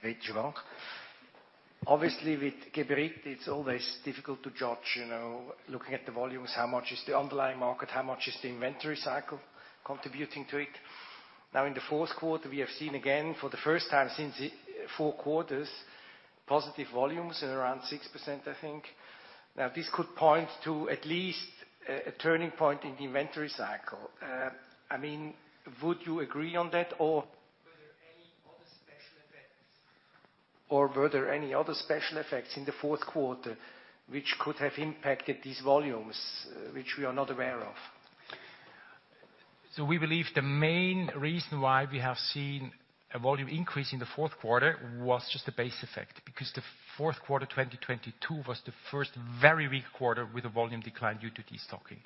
Thank you, Christian. Obviously, with Geberit, it's always difficult to judge, you know, looking at the volumes, how much is the underlying market, how much is the inventory cycle contributing to it? Now, in the fourth quarter, we have seen again, for the first time since the four quarters, positive volumes at around 6%, I think. Now, this could point to at least a turning point in the inventory cycle. I mean, would you agree on that, or were there any other special effects? Or were there any other special effects in the fourth quarter which could have impacted these volumes, which we are not aware of? We believe the main reason why we have seen a volume increase in the fourth quarter was just a base effect, because the fourth quarter, 2022, was the first very weak quarter with a volume decline due to destocking.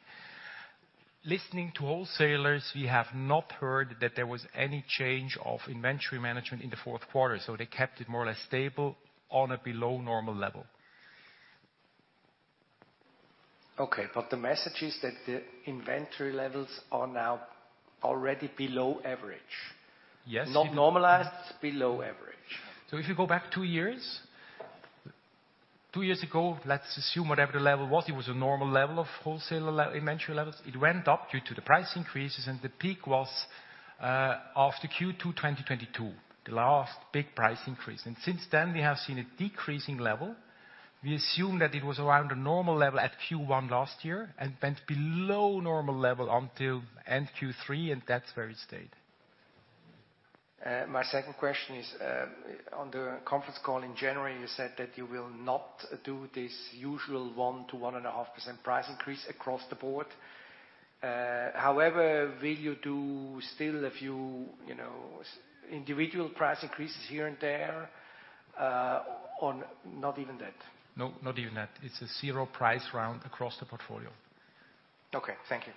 Listening to wholesalers, we have not heard that there was any change of inventory management in the fourth quarter, so they kept it more or less stable on a below normal level. Okay, but the message is that the inventory levels are now already below average? Yes. Not normalized, below average. So if you go back two years, two years ago, let's assume whatever the level was, it was a normal level of wholesaler inventory levels. It went up due to the price increases, and the peak was after Q2 2022, the last big price increase. And since then, we have seen a decreasing level. We assume that it was around a normal level at Q1 last year, and went below normal level until end Q3, and that's where it stayed. My second question is, on the conference call in January, you said that you will not do this usual 1%-1.5% price increase across the board. However, will you do still a few, you know, individual price increases here and there, or not even that? No, not even that. It's a zero price round across the portfolio. Okay. Thank you.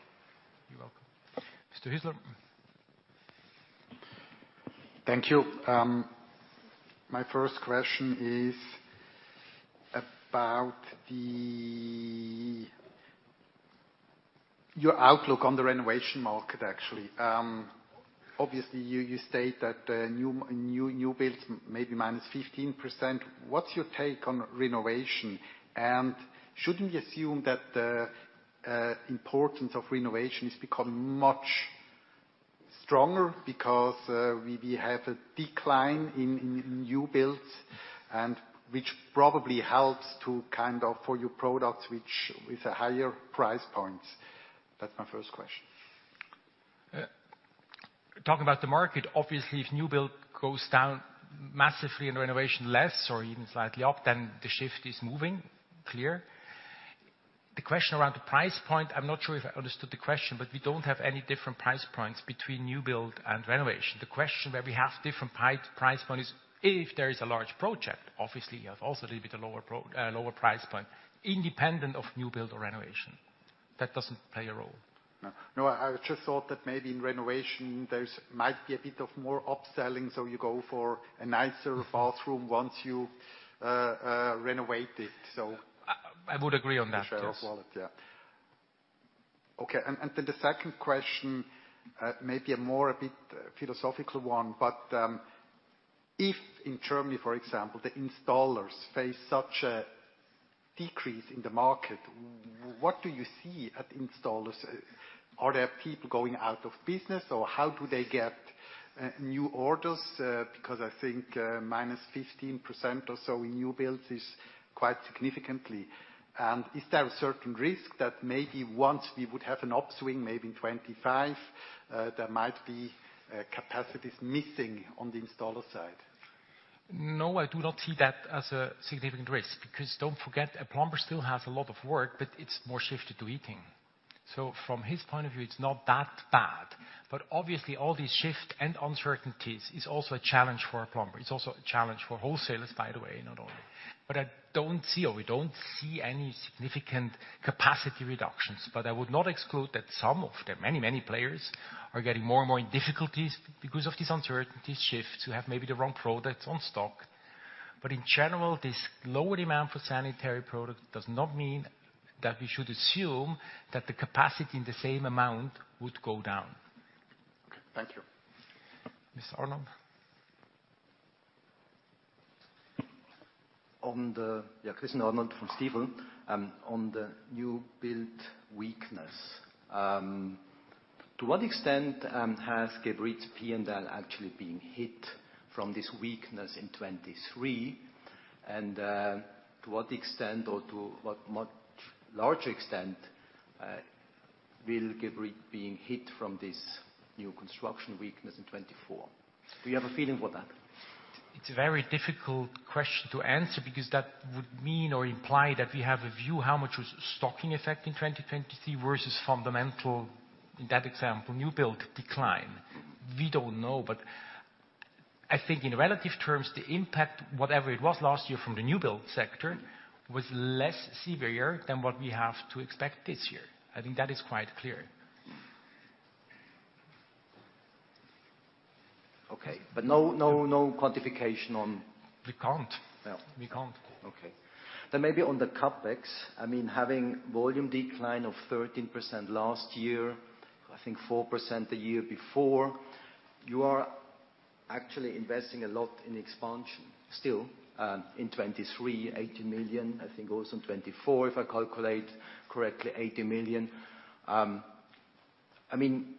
You're welcome. Mr. Hüsler? Thank you. My first question is about your outlook on the renovation market, actually. Obviously, you state that new builds may be minus 15%. What's your take on renovation? And shouldn't we assume that the importance of renovation has become much stronger because we have a decline in new builds, and which probably helps to kind of for your products, which with higher price points? That's my first question. Talking about the market, obviously, if new build goes down massively and renovation less or even slightly up, then the shift is moving, clear. The question around the price point, I'm not sure if I understood the question, but we don't have any different price points between new build and renovation. The question where we have different price point is if there is a large project, obviously, you have also a little bit of lower price point, independent of new build or renovation. That doesn't play a role? No, no, I just thought that maybe in renovation, there's might be a bit of more upselling, so you go for a nicer bathroom once you renovate it, so. I would agree on that, yes. Share of wallet, yeah. Okay, and then the second question may be a bit more philosophical one, but if in Germany, for example, the installers face such a decrease in the market, what do you see at installers? Are there people going out of business, or how do they get new orders? Because I think -15% or so in new builds is quite significantly. And is there a certain risk that maybe once we would have an upswing, maybe in 2025, there might be capacities missing on the installer side? No, I do not see that as a significant risk, because don't forget, a plumber still has a lot of work, but it's more shifted to heating. So from his point of view, it's not that bad. But obviously, all these shifts and uncertainties is also a challenge for a plumber. It's also a challenge for wholesalers, by the way, not only. But I don't see, or we don't see any significant capacity reductions, but I would not exclude that some of the many, many players are getting more and more in difficulties because of this uncertainty shift, who have maybe the wrong products on stock. But in general, this lower demand for sanitary products does not mean that we should assume that the capacity in the same amount would go down. Okay, thank you. Mr. Arnold? Yeah, Christian Arnold from Stifel. On the new build weakness, to what extent has Geberit's P&L actually been hit from this weakness in 2023? And to what extent or to what much larger extent will Geberit being hit from this new construction weakness in 2024? Do you have a feeling for that? It's a very difficult question to answer because that would mean or imply that we have a view how much was stocking effect in 2023 versus fundamental, in that example, new build decline. We don't know, but I think in relative terms, the impact, whatever it was last year from the new build sector, was less severe than what we have to expect this year. I think that is quite clear. Okay, but no, no, no quantification on. We can't. No. We can't. Okay. Then maybe on the CapEx, I mean, having volume decline of 13% last year, I think 4% the year before, you are actually investing a lot in expansion still, in 2023, 80 million, I think also in 2024, if I calculate correctly, 80 million. I mean,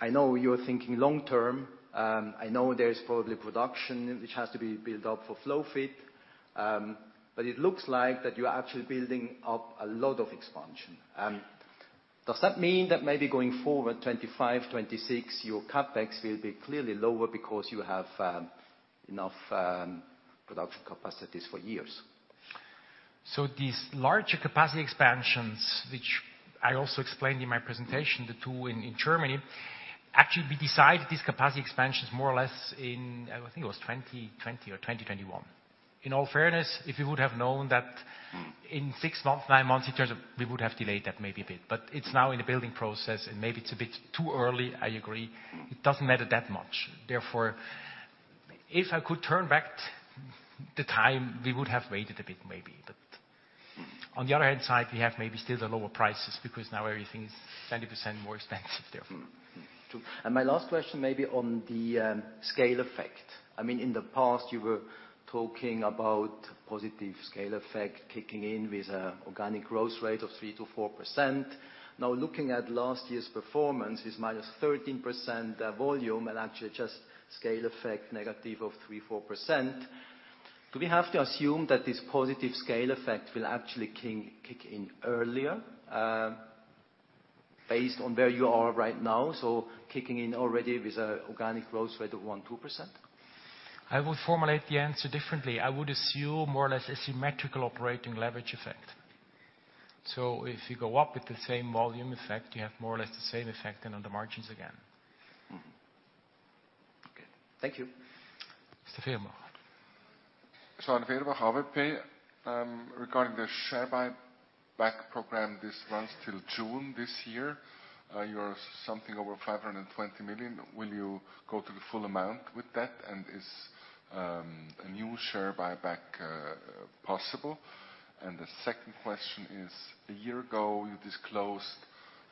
I know you're thinking long term, I know there's probably production which has to be built up for Flowfit, but it looks like that you are actually building up a lot of expansion. Does that mean that maybe going forward, 2025, 2026, your CapEx will be clearly lower because you have enough production capacities for years? So these larger capacity expansions, which I also explained in my presentation, the two in Germany, actually, we decided these capacity expansions more or less in, I think it was 2020 or 2021. In all fairness, if you would have known that in six months, nine months, in terms of. We would have delayed that maybe a bit, but it's now in the building process, and maybe it's a bit too early, I agree. It doesn't matter that much. Therefore, if I could turn back the time, we would have waited a bit, maybe. But, n the other hand, we have maybe still the lower prices, because now everything is 20% more expensive, therefore. True. My last question, maybe on the scale effect. I mean, in the past, you were talking about positive scale effect kicking in with a organic growth rate of 3%-4%. Now, looking at last year's performance is -13% volume, and actually just scale effect, negative of 3%-4%. Do we have to assume that this positive scale effect will actually kick in earlier, based on where you are right now? So kicking in already with a organic growth rate of 1%-2%. I will formulate the answer differently. I would assume more or less a symmetrical operating leverage effect. If you go up with the same volume effect, you have more or less the same effect than on the margins again. Okay. Thank you. Mr. Fehrenbach. Fehrenbach, AWP. Regarding the share buyback program, this runs till June this year. You're something over 520 million. Will you go to the full amount with that? And is a new share buyback possible? And the second question is, a year ago, you disclosed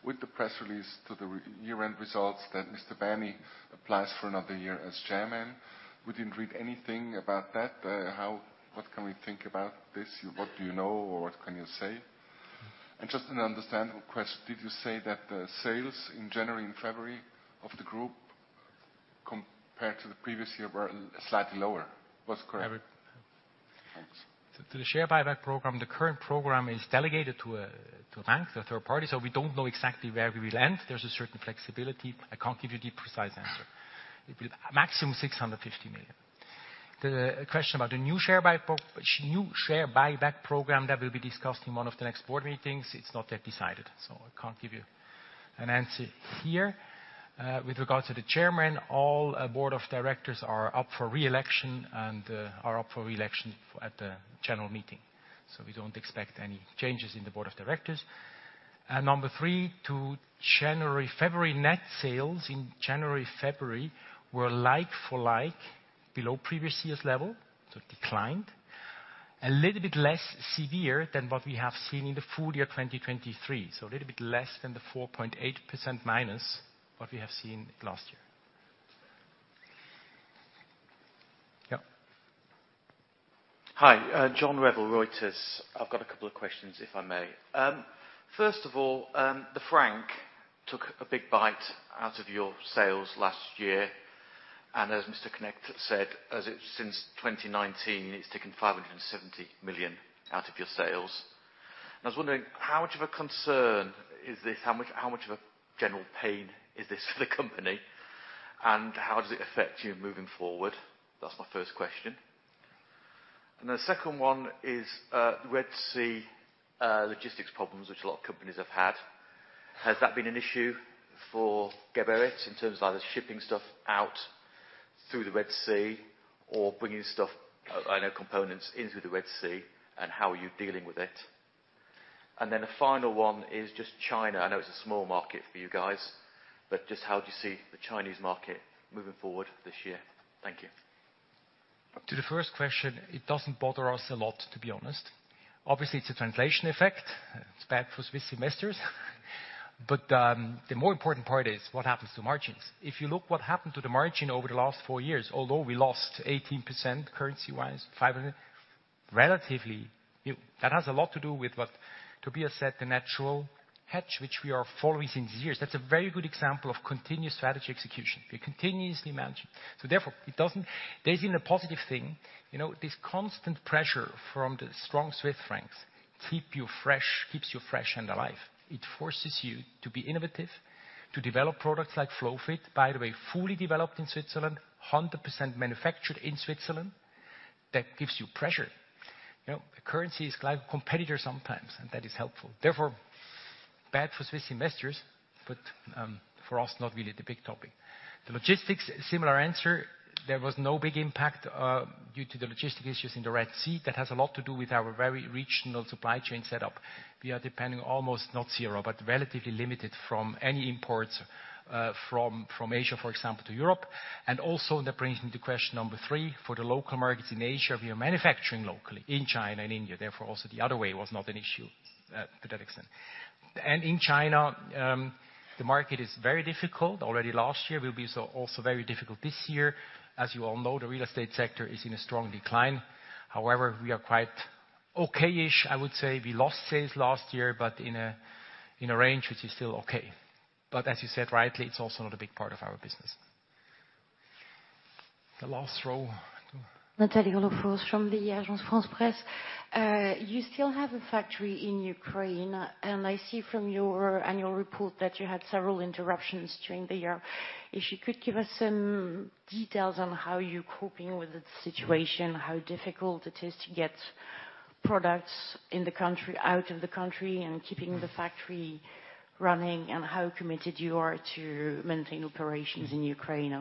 with the press release to the year-end results that Mr. Baehny applies for another year as chairman. We didn't read anything about that. How, what can we think about this? What do you know, or what can you say? And just an understandable question, did you say that the sales in January and February of the group, compared to the previous year, were slightly lower? What's correct? I would. Thanks. To the share buyback program, the current program is delegated to a bank, to a third party, so we don't know exactly where we will end. There's a certain flexibility. I can't give you the precise answer. It will maximum 650 million. The question about the new share buyback program, that will be discussed in one of the next board meetings. It's not yet decided, so I can't give you an answer here. With regards to the chairman, all board of directors are up for re-election and are up for re-election at the general meeting. So we don't expect any changes in the board of directors. Number three, to January, February, net sales in January, February, were like for like below previous year's level, so it declined. A little bit less severe than what we have seen in the full-year 2023, so a little bit less than the -4.8% what we have seen last year. Yeah. Hi, John Revill, Reuters. I've got a couple of questions, if I may. First of all, the franc took a big bite out of your sales last year, and as Mr. Knechtle said, since 2019, it's taken 570 million out of your sales. I was wondering, how much of a concern is this? How much, how much of a general pain is this for the company? And how does it affect you moving forward? That's my first question. And the second one is, Red Sea logistics problems, which a lot of companies have had. Has that been an issue for Geberit in terms of either shipping stuff out through the Red Sea or bringing stuff, I know, components, in through the Red Sea, and how are you dealing with it? And then the final one is just China. I know it's a small market for you guys, but just how do you see the Chinese market moving forward this year? Thank you. To the first question, it doesn't bother us a lot, to be honest. Obviously, it's a translation effect. It's bad for Swiss investors. But the more important part is what happens to margins. If you look what happened to the margin over the last four years, although we lost 18% currency-wise, relatively, that has a lot to do with what Tobias said, the natural hedge, which we are following since years. That's a very good example of continuous strategy execution. We continuously manage. So therefore, it doesn't. There's been a positive thing. You know, this constant pressure from the strong Swiss francs keep you fresh, keeps you fresh and alive. It forces you to be innovative, to develop products like Flowfit, by the way, fully developed in Switzerland, 100% manufactured in Switzerland. That gives you pressure. You know, the currency is like a competitor sometimes, and that is helpful. Therefore, bad for Swiss investors, but, for us, not really the big topic. The logistics, similar answer, there was no big impact, due to the logistic issues in the Red Sea. That has a lot to do with our very regional supply chain setup. We are depending almost, not zero, but relatively limited from any imports, from Asia, for example, to Europe. And also, that brings me to question number three. For the local markets in Asia, we are manufacturing locally in China and India, therefore, also the other way was not an issue, to that extent. And in China, the market is very difficult. Already last year, will be so also very difficult this year. As you all know, the real estate sector is in a strong decline. However, we are quite okay, I would say. We lost sales last year, but in a range which is still okay. But as you said, rightly, it's also not a big part of our business. The last row. Nathalie Olof-Ors from the Agence France-Presse. You still have a factory in Ukraine, and I see from your annual report that you had several interruptions during the year. If you could give us some details on how you're coping with the situation, how difficult it is to get products in the country, out of the country, and keeping the factory running, and how committed you are to maintain operations in Ukraine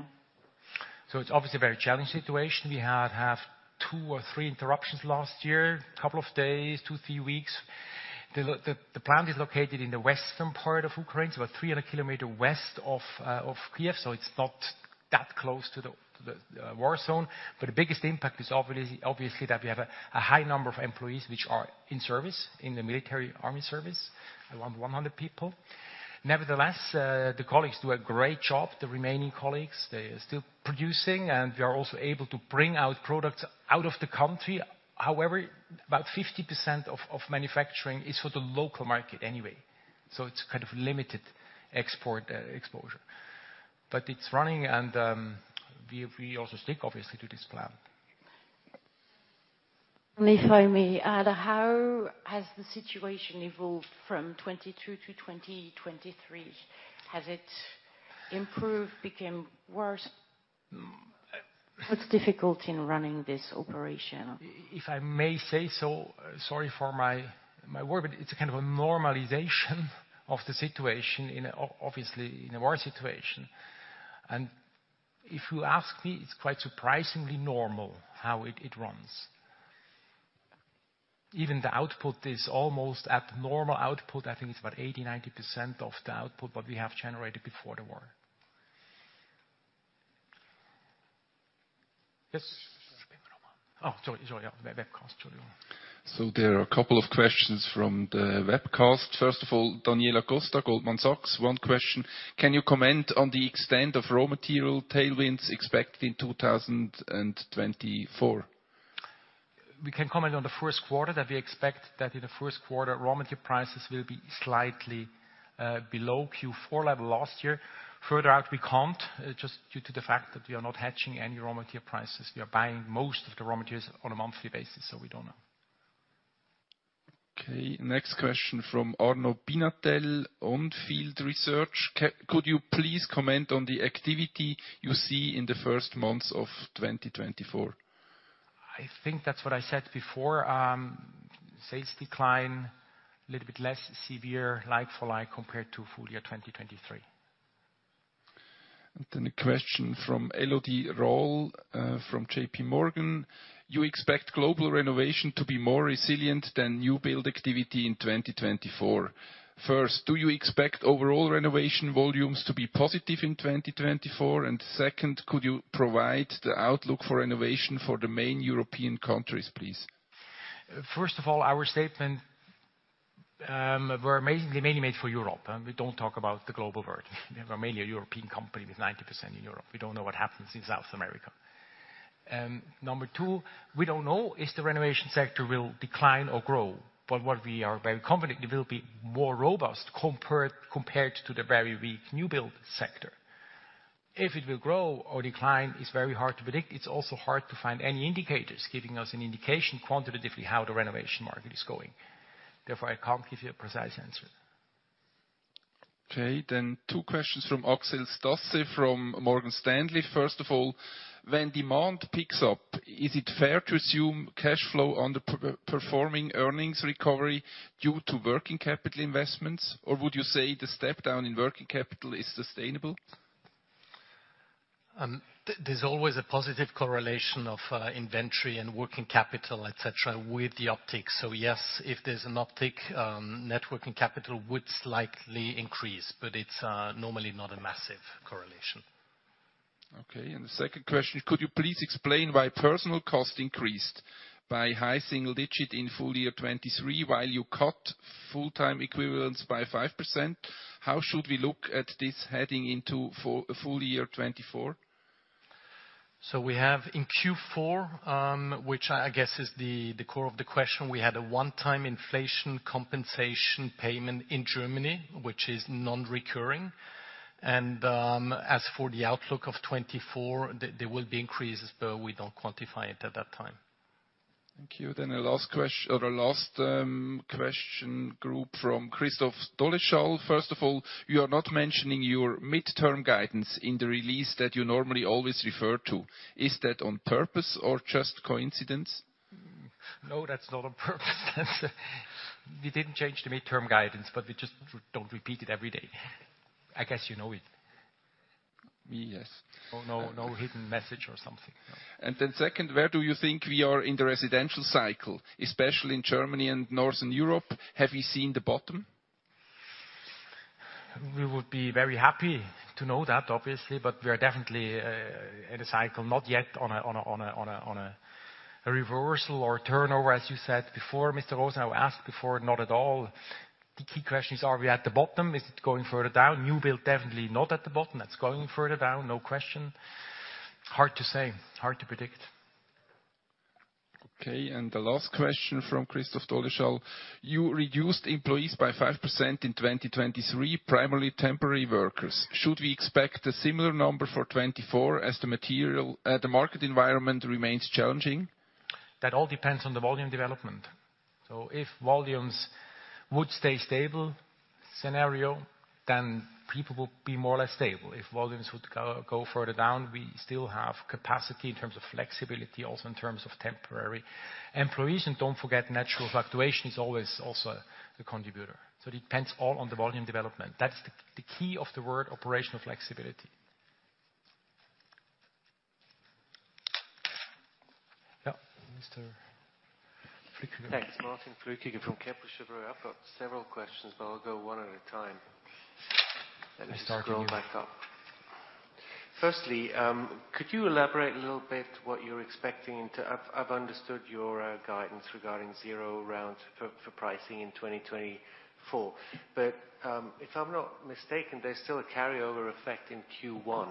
now? So it's obviously a very challenging situation. We had, have two or three interruptions last year, couple of days, two, three weeks. The plant is located in the western part of Ukraine, so about 300 km west of Kyiv, so it's not that close to the war zone. But the biggest impact is obviously that we have a high number of employees which are in service, in the military army service, around 100 people. Nevertheless, the colleagues do a great job. The remaining colleagues, they are still producing, and we are also able to bring out products out of the country. However, about 50% of manufacturing is for the local market anyway, so it's kind of limited export exposure. But it's running, and we also stick, obviously, to this plan. If I may add, how has the situation evolved from 2022-2023? Has it improved, become worse? What's difficult in running this operation? If I may say so, sorry for my word, but it's a kind of a normalization of the situation in obviously, in a war situation. And if you ask me, it's quite surprisingly normal how it runs. Even the output is almost at normal output. I think it's about 80%-90% of the output what we have generated before the war. Yes? Oh, sorry, sorry, yeah, webcast. Sorry. So there are a couple of questions from the webcast. First of all, Daniela Costa, Goldman Sachs. One question: Can you comment on the extent of raw material tailwinds expected in 2024? We can comment on the first quarter that we expect that in the first quarter, raw material prices will be slightly below Q4 level last year. Further out, we can't just due to the fact that we are not hedging any raw material prices. We are buying most of the raw materials on a monthly basis, so we don't know. Okay, next question from Arnaud Pinatel, On Field Research: Could you please comment on the activity you see in the first months of 2024? I think that's what I said before. Sales decline a little bit less severe, like for like, compared to full-year 2023. Then a question from Elodie Rall from JPMorgan. You expect global renovation to be more resilient than new build activity in 2024. First, do you expect overall renovation volumes to be positive in 2024? And second, could you provide the outlook for renovation for the main European countries, please? First of all, our statement were mainly mainly made for Europe, and we don't talk about the global world. We are mainly a European company with 90% in Europe. We don't know what happens in South America. Number two, we don't know if the renovation sector will decline or grow, but what we are very confident, it will be more robust compared to the very weak new build sector. If it will grow or decline, is very hard to predict. It's also hard to find any indicators, giving us an indication quantitatively how the renovation market is going. Therefore, I can't give you a precise answer. Okay, then two questions from Axel Stasse from Morgan Stanley. First of all, when demand picks up, is it fair to assume cash flow on the per-performing earnings recovery due to working capital investments? Or would you say the step down in working capital is sustainable? There's always a positive correlation of inventory and working capital, et cetera, with the uptick. So yes, if there's an uptick, net working capital would slightly increase, but it's normally not a massive correlation. Okay, and the second question: Could you please explain why personnel cost increased by high single digit in full-year 2023, while you cut full-time equivalents by 5%? How should we look at this heading into for full-year 2024? So we have in Q4, which I guess is the core of the question. We had a one-time inflation compensation payment in Germany, which is non-recurring. And, as for the outlook of 2024, there will be increases, but we don't quantify it at that time. Thank you. Then the last question group from Christoph Derschau. First of all, you are not mentioning your midterm guidance in the release that you normally always refer to. Is that on purpose or just coincidence? No, that's not on purpose. We didn't change the midterm guidance, but we just don't repeat it every day. I guess you know it. Me, yes. No, no hidden message or something. And then second, where do you think we are in the residential cycle, especially in Germany and Northern Europe? Have you seen the bottom? We would be very happy to know that, obviously, but we are definitely in a cycle, not yet on a reversal or turnover, as you said before, Mr. Rosenau asked before, not at all. The key question is, are we at the bottom? Is it going further down? New build, definitely not at the bottom. That's going further down, no question. Hard to say, hard to predict. Okay, and the last question from Christoph Derschau. You reduced employees by 5% in 2023, primarily temporary workers. Should we expect a similar number for 2024 as the material, the market environment remains challenging? That all depends on the volume development. So if volumes would stay stable scenario, then people will be more or less stable. If volumes would go further down, we still have capacity in terms of flexibility, also in terms of temporary employees. And don't forget, natural fluctuation is always also a contributor, so it depends all on the volume development. That's the key of the word operational flexibility. Yeah, Mr. Flueckiger. Thanks. Martin Flueckiger from Kepler Cheuvreux. I've got several questions, but I'll go one at a time. Let me scroll back up. Firstly, could you elaborate a little bit what you're expecting into. I've understood your guidance regarding zero round for pricing in 2024. But, if I'm not mistaken, there's still a carryover effect in Q1.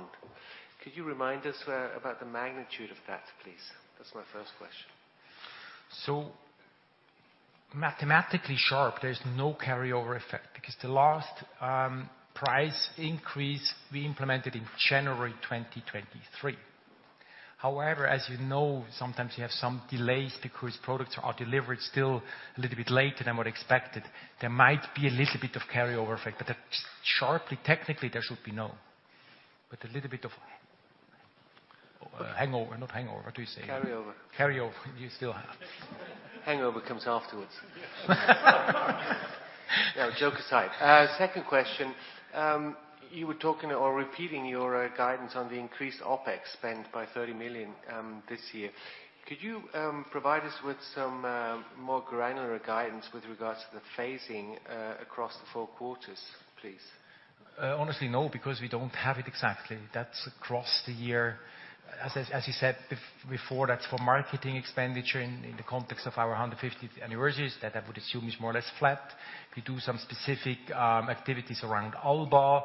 Could you remind us where, about the magnitude of that, please? That's my first question. So mathematically sharp, there's no carryover effect because the last price increase we implemented in January 2023. However, as you know, sometimes you have some delays because products are delivered still a little bit later than what expected. There might be a little bit of carryover effect, but sharply, technically, there should be none. But a little bit of hangover, not hangover. What do you say? Carryover. Carryover. You still have. Hangover comes afterwards. Yeah, joke aside, second question. You were talking or repeating your guidance on the increased OpEx spend by 30 million this year. Could you provide us with some more granular guidance with regards to the phasing across the four quarters, please? Honestly, no, because we don't have it exactly. That's across the year. As I, as you said before, that's for marketing expenditure in, in the context of our 150th anniversary, that I would assume is more or less flat. We do some specific activities around Alba.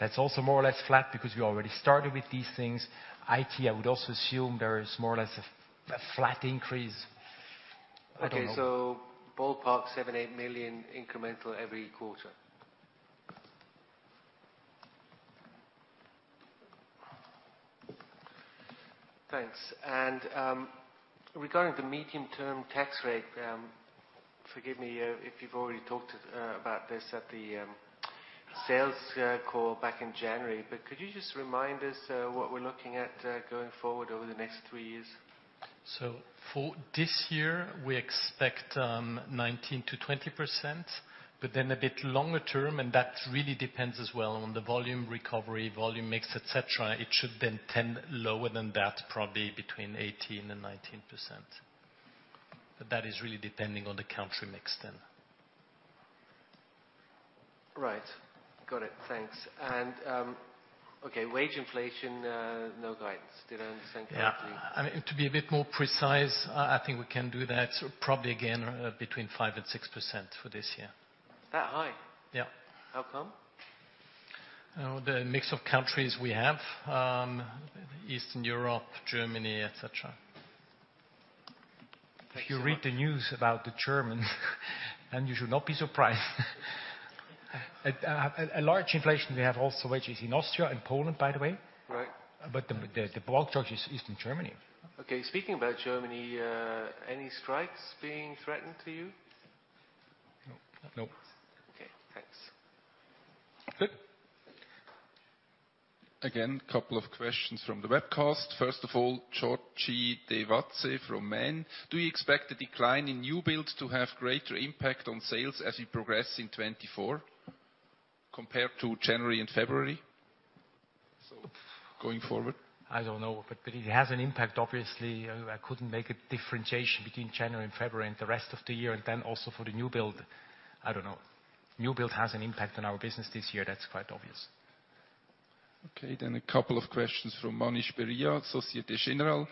That's also more or less flat because we already started with these things. IT, I would also assume there is more or less a flat increase. I don't know. Okay, so ballpark 7-8 million incremental every quarter. Thanks. And, regarding the medium-term tax rate, forgive me, if you've already talked about this at the sales call back in January, but could you just remind us, what we're looking at, going forward over the next three years? So for this year, we expect 19%-20%, but then a bit longer term, and that really depends as well on the volume recovery, volume mix, et cetera, it should then tend lower than that, probably between 18%-19%. But that is really depending on the country mix then. Right. Got it, thanks. And, okay, wage inflation, no guidance. Did I understand correctly? Yeah. I mean, to be a bit more precise, I think we can do that, probably again, between 5% and 6% for this year. That high? Yeah. How come? The mix of countries we have, Eastern Europe, Germany, et cetera. Thanks so much. If you read the news about the Germans, and you should not be surprised. A large inflation, we have also wages in Austria and Poland, by the way. Right. But the bulk charge is Eastern Germany. Okay, speaking about Germany, any strikes being threatened to you? No, no. Okay, thanks. Good. Again, a couple of questions from the webcast. First of all, George Devas from Maine: Do you expect the decline in new build to have greater impact on sales as you progress in 2024, compared to January and February? So going forward. I don't know, but it has an impact, obviously. I couldn't make a differentiation between January and February and the rest of the year, and then also for the new build. I don't know. New build has an impact on our business this year. That's quite obvious. Okay, then a couple of questions from Manish Beria, Société Générale.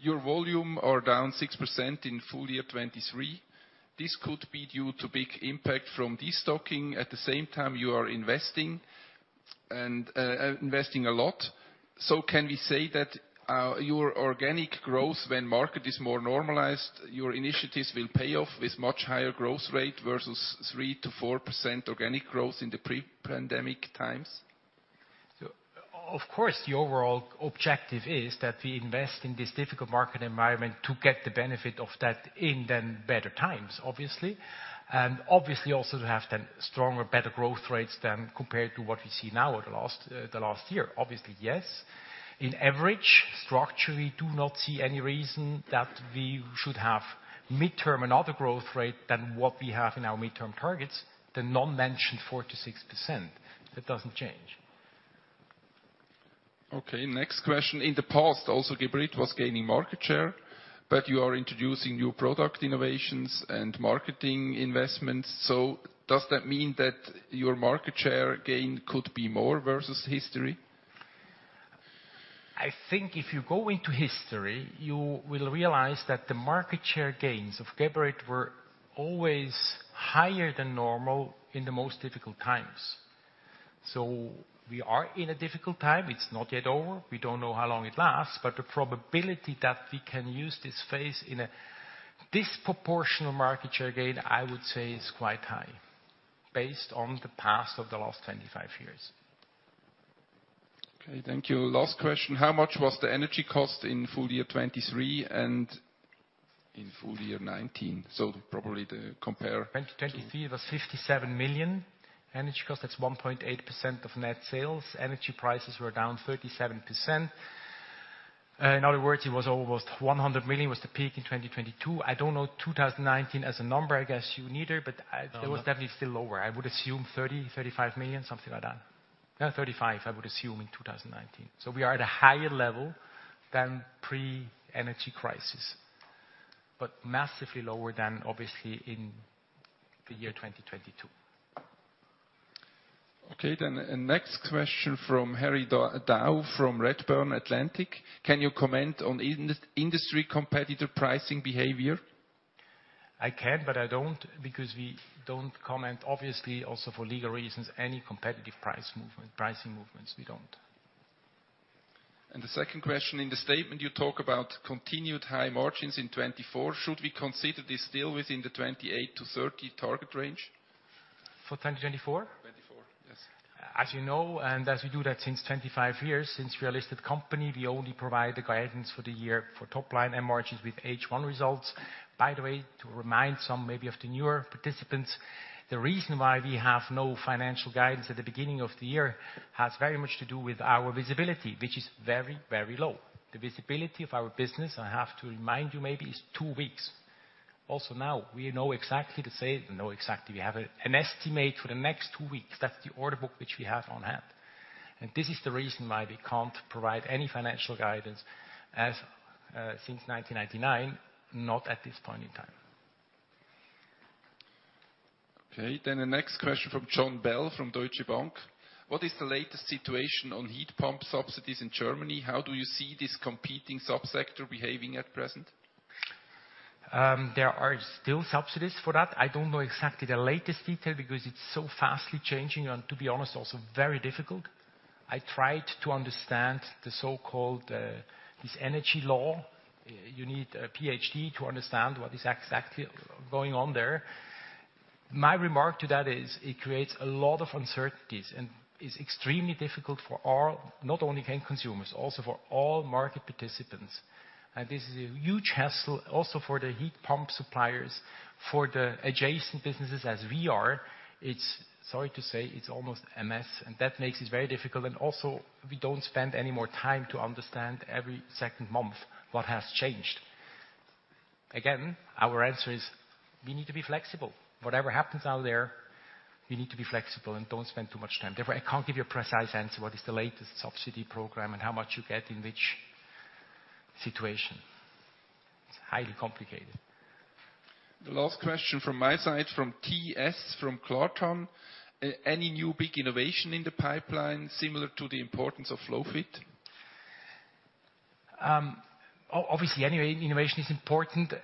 Your volume are down 6% in full-year 2023. This could be due to big impact from destocking. At the same time, you are investing, and investing a lot. So can we say that your organic growth, when market is more normalized, your initiatives will pay off with much higher growth rate versus 3%-4% organic growth in the pre-pandemic times? So of course, the overall objective is that we invest in this difficult market environment to get the benefit of that in then better times, obviously. And obviously, also to have then stronger, better growth rates than compared to what we see now at the last, the last year. Obviously, yes. In average, structurally, do not see any reason that we should have midterm another growth rate than what we have in our midterm targets, the not mentioned 4%-6%. That doesn't change. Okay, next question. In the past, also, Geberit was gaining market share, but you are introducing new product innovations and marketing investments. So does that mean that your market share gain could be more versus history? I think if you go into history, you will realize that the market share gains of Geberit were always higher than normal in the most difficult times. So we are in a difficult time. It's not yet over. We don't know how long it lasts, but the probability that we can use this phase in a disproportional market share gain, I would say, is quite high, based on the past of the last 25 years. Okay, thank you. Last question: How much was the energy cost in full-year 2023 and in full-year 2019? So probably to compare- 2023, it was 57 million. Energy cost, that's 1.8% of net sales. Energy prices were down 37%. In other words, it was almost 100 million, was the peak in 2022. I don't know 2019 as a number, I guess you neither, but, No. It was definitely still lower. I would assume 30-35 million, something like that. 35, I would assume, in 2019. So we are at a higher level than pre-energy crisis, but massively lower than obviously in the year 2022. Okay, then, and next question from Harry Dow, from Redburn Atlantic. Can you comment on industry competitor pricing behavior? I can, but I don't, because we don't comment, obviously, also for legal reasons, any competitive price movement, pricing movements. We don't. The second question, in the statement, you talk about continued high margins in 2024. Should we consider this still within the 28%-30% target range? For 2024? 2024, yes. As you know, and as we do that since 25 years, since we are a listed company, we only provide the guidance for the year for top line and margins with H1 results. By the way, to remind some maybe of the newer participants, the reason why we have no financial guidance at the beginning of the year has very much to do with our visibility, which is very, very low. The visibility of our business, I have to remind you, maybe, is two weeks. Also, now, we know exactly we have an estimate for the next two weeks. That's the order book which we have on hand, and this is the reason why we can't provide any financial guidance as since 1999, not at this point in time. Okay, then the next question from Jon Bell, from Deutsche Bank. What is the latest situation on heat pump subsidies in Germany? How do you see this competing sub-sector behaving at present? There are still subsidies for that. I don't know exactly the latest detail, because it's so fastly changing and, to be honest, also very difficult. I tried to understand the so-called, this energy law. You need a PhD to understand what is exactly going on there. My remark to that is, it creates a lot of uncertainties, and it's extremely difficult for all, not only end consumers, also for all market participants. And this is a huge hassle also for the heat pump suppliers, for the adjacent businesses as we are. It's, sorry to say, it's almost a mess, and that makes it very difficult, and also, we don't spend any more time to understand every second month what has changed. Again, our answer is we need to be flexible. Whatever happens out there, we need to be flexible and don't spend too much time. Therefore, I can't give you a precise answer what is the latest subsidy program and how much you get in which situation. It's highly complicated. The last question from my side, from TS, from Carlton. Any new big innovation in the pipeline, similar to the importance of Flowfit? Obviously, any innovation is important.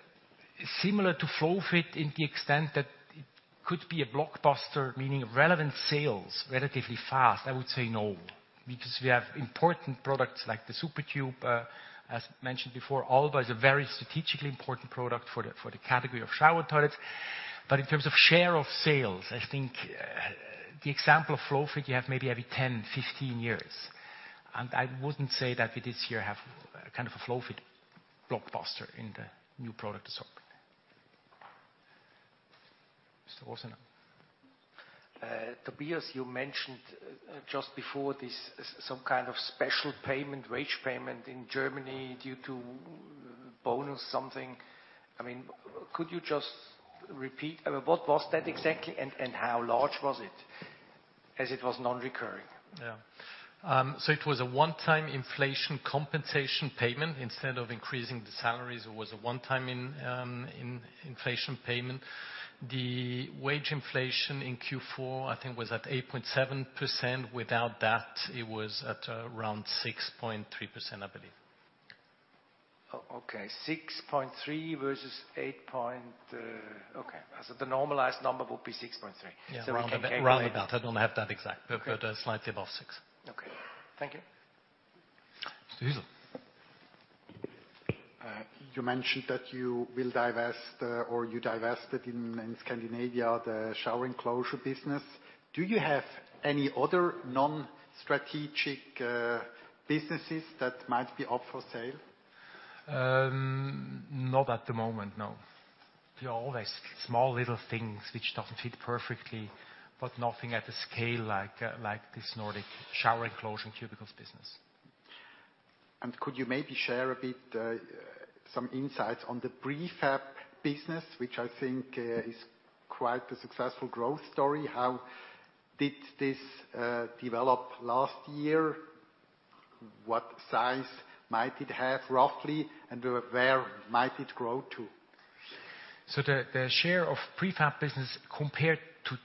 Similar to Flowfit in the extent that it could be a blockbuster, meaning relevant sales, relatively fast, I would say no. Because we have important products like the SuperTube, as mentioned before. Alba is a very strategically important product for the, for the category of shower toilets. But in terms of share of sales, I think, the example of Flowfit, you have maybe every 10, 15 years, and I wouldn't say that we this year have kind of a Flowfit blockbuster in the new product sort. Mr. Rosenau. Tobias, you mentioned just before this some kind of special payment, wage payment in Germany due to bonus something. I mean, could you just repeat? I mean, what was that exactly, and, and how large was it, as it was non-recurring? Yeah. So it was a one-time inflation compensation payment. Instead of increasing the salaries, it was a one-time inflation payment. The wage inflation in Q4, I think, was at 8.7%. Without that, it was at around 6.3%, I believe. Oh, okay, 6.3 versus eight point. Okay, so the normalized number would be 6.3. Yeah, round about. I don't have that exact, but, slightly above six. Okay. Thank you. Mr. Uzel? You mentioned that you will divest, or you divested in Scandinavia, the shower enclosure business. Do you have any other non-strategic businesses that might be up for sale? Not at the moment, no. There are always small, little things which doesn't fit perfectly, but nothing at the scale like, like this Nordic shower enclosure and cubicles business. Could you maybe share a bit, some insights on the prefab business, which I think, is quite a successful growth story? How did this, develop last year? What size might it have, roughly, and where might it grow to? So the share of prefab business, compared to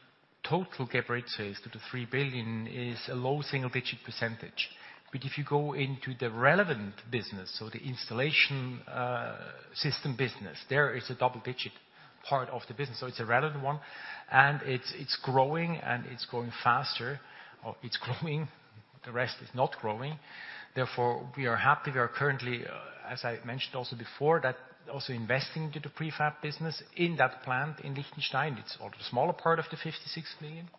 total Geberit sales, to the 3 billion, is a low single-digit percentage. But if you go into the relevant business, so the installation system business, there is a double-digit percentage part of the business, so it's a relevant one, and it's growing, and it's growing faster, or it's growing. The rest is not growing. Therefore, we are happy. We are currently, as I mentioned also before, also investing into the prefab business in that plant in Lichtenstein. It's a smaller part of the 56 million.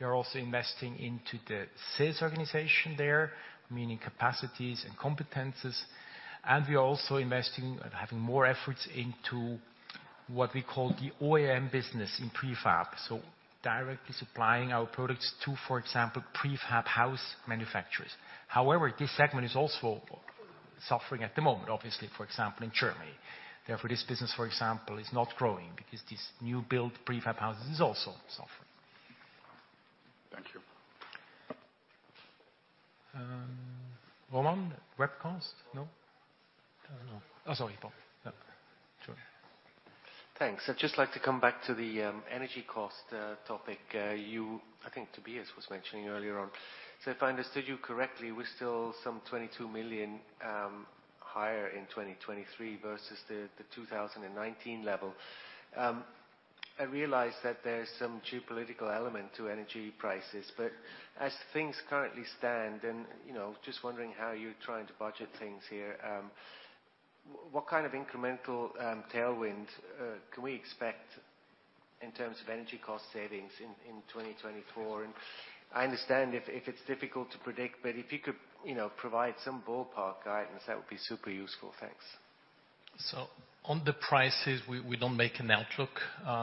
We are also investing into the sales organization there, meaning capacities and competences, and we are also investing and having more efforts into what we call the OEM business in prefab, so directly supplying our products to, for example, prefab house manufacturers. However, this segment is also suffering at the moment, obviously, for example, in Germany. Therefore, this business, for example, is not growing because this new build prefab house is also suffering. Thank you. Roman, webcast? No. No. Oh, sorry, Paul. Yeah, sure. Thanks. I'd just like to come back to the energy cost topic, you. I think Tobias was mentioning earlier on. So if I understood you correctly, we're still some 22 million higher in 2023 versus the 2019 level. I realize that there's some geopolitical element to energy prices, but as things currently stand, and you know, just wondering how you're trying to budget things here, what kind of incremental tailwinds can we expect in terms of energy cost savings in 2024? And I understand if it's difficult to predict, but if you could, you know, provide some ballpark guidance, that would be super useful. Thanks. So on the prices, we don't make an outlook.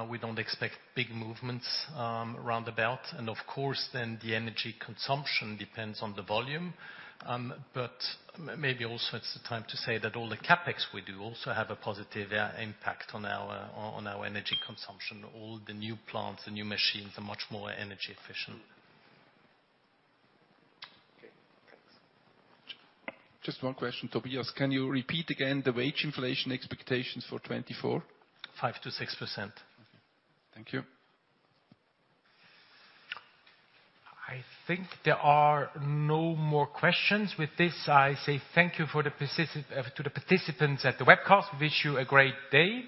We don't expect big movements, round about, and of course, then the energy consumption depends on the volume. But maybe also it's the time to say that all the CapEx we do also have a positive impact on our energy consumption. All the new plants and new machines are much more energy efficient. Okay, thanks. Just one question, Tobias. Can you repeat again the wage inflation expectations for 2024? 5%-6%. Thank you. I think there are no more questions. With this, I say thank you to the participants at the webcast. We wish you a great day.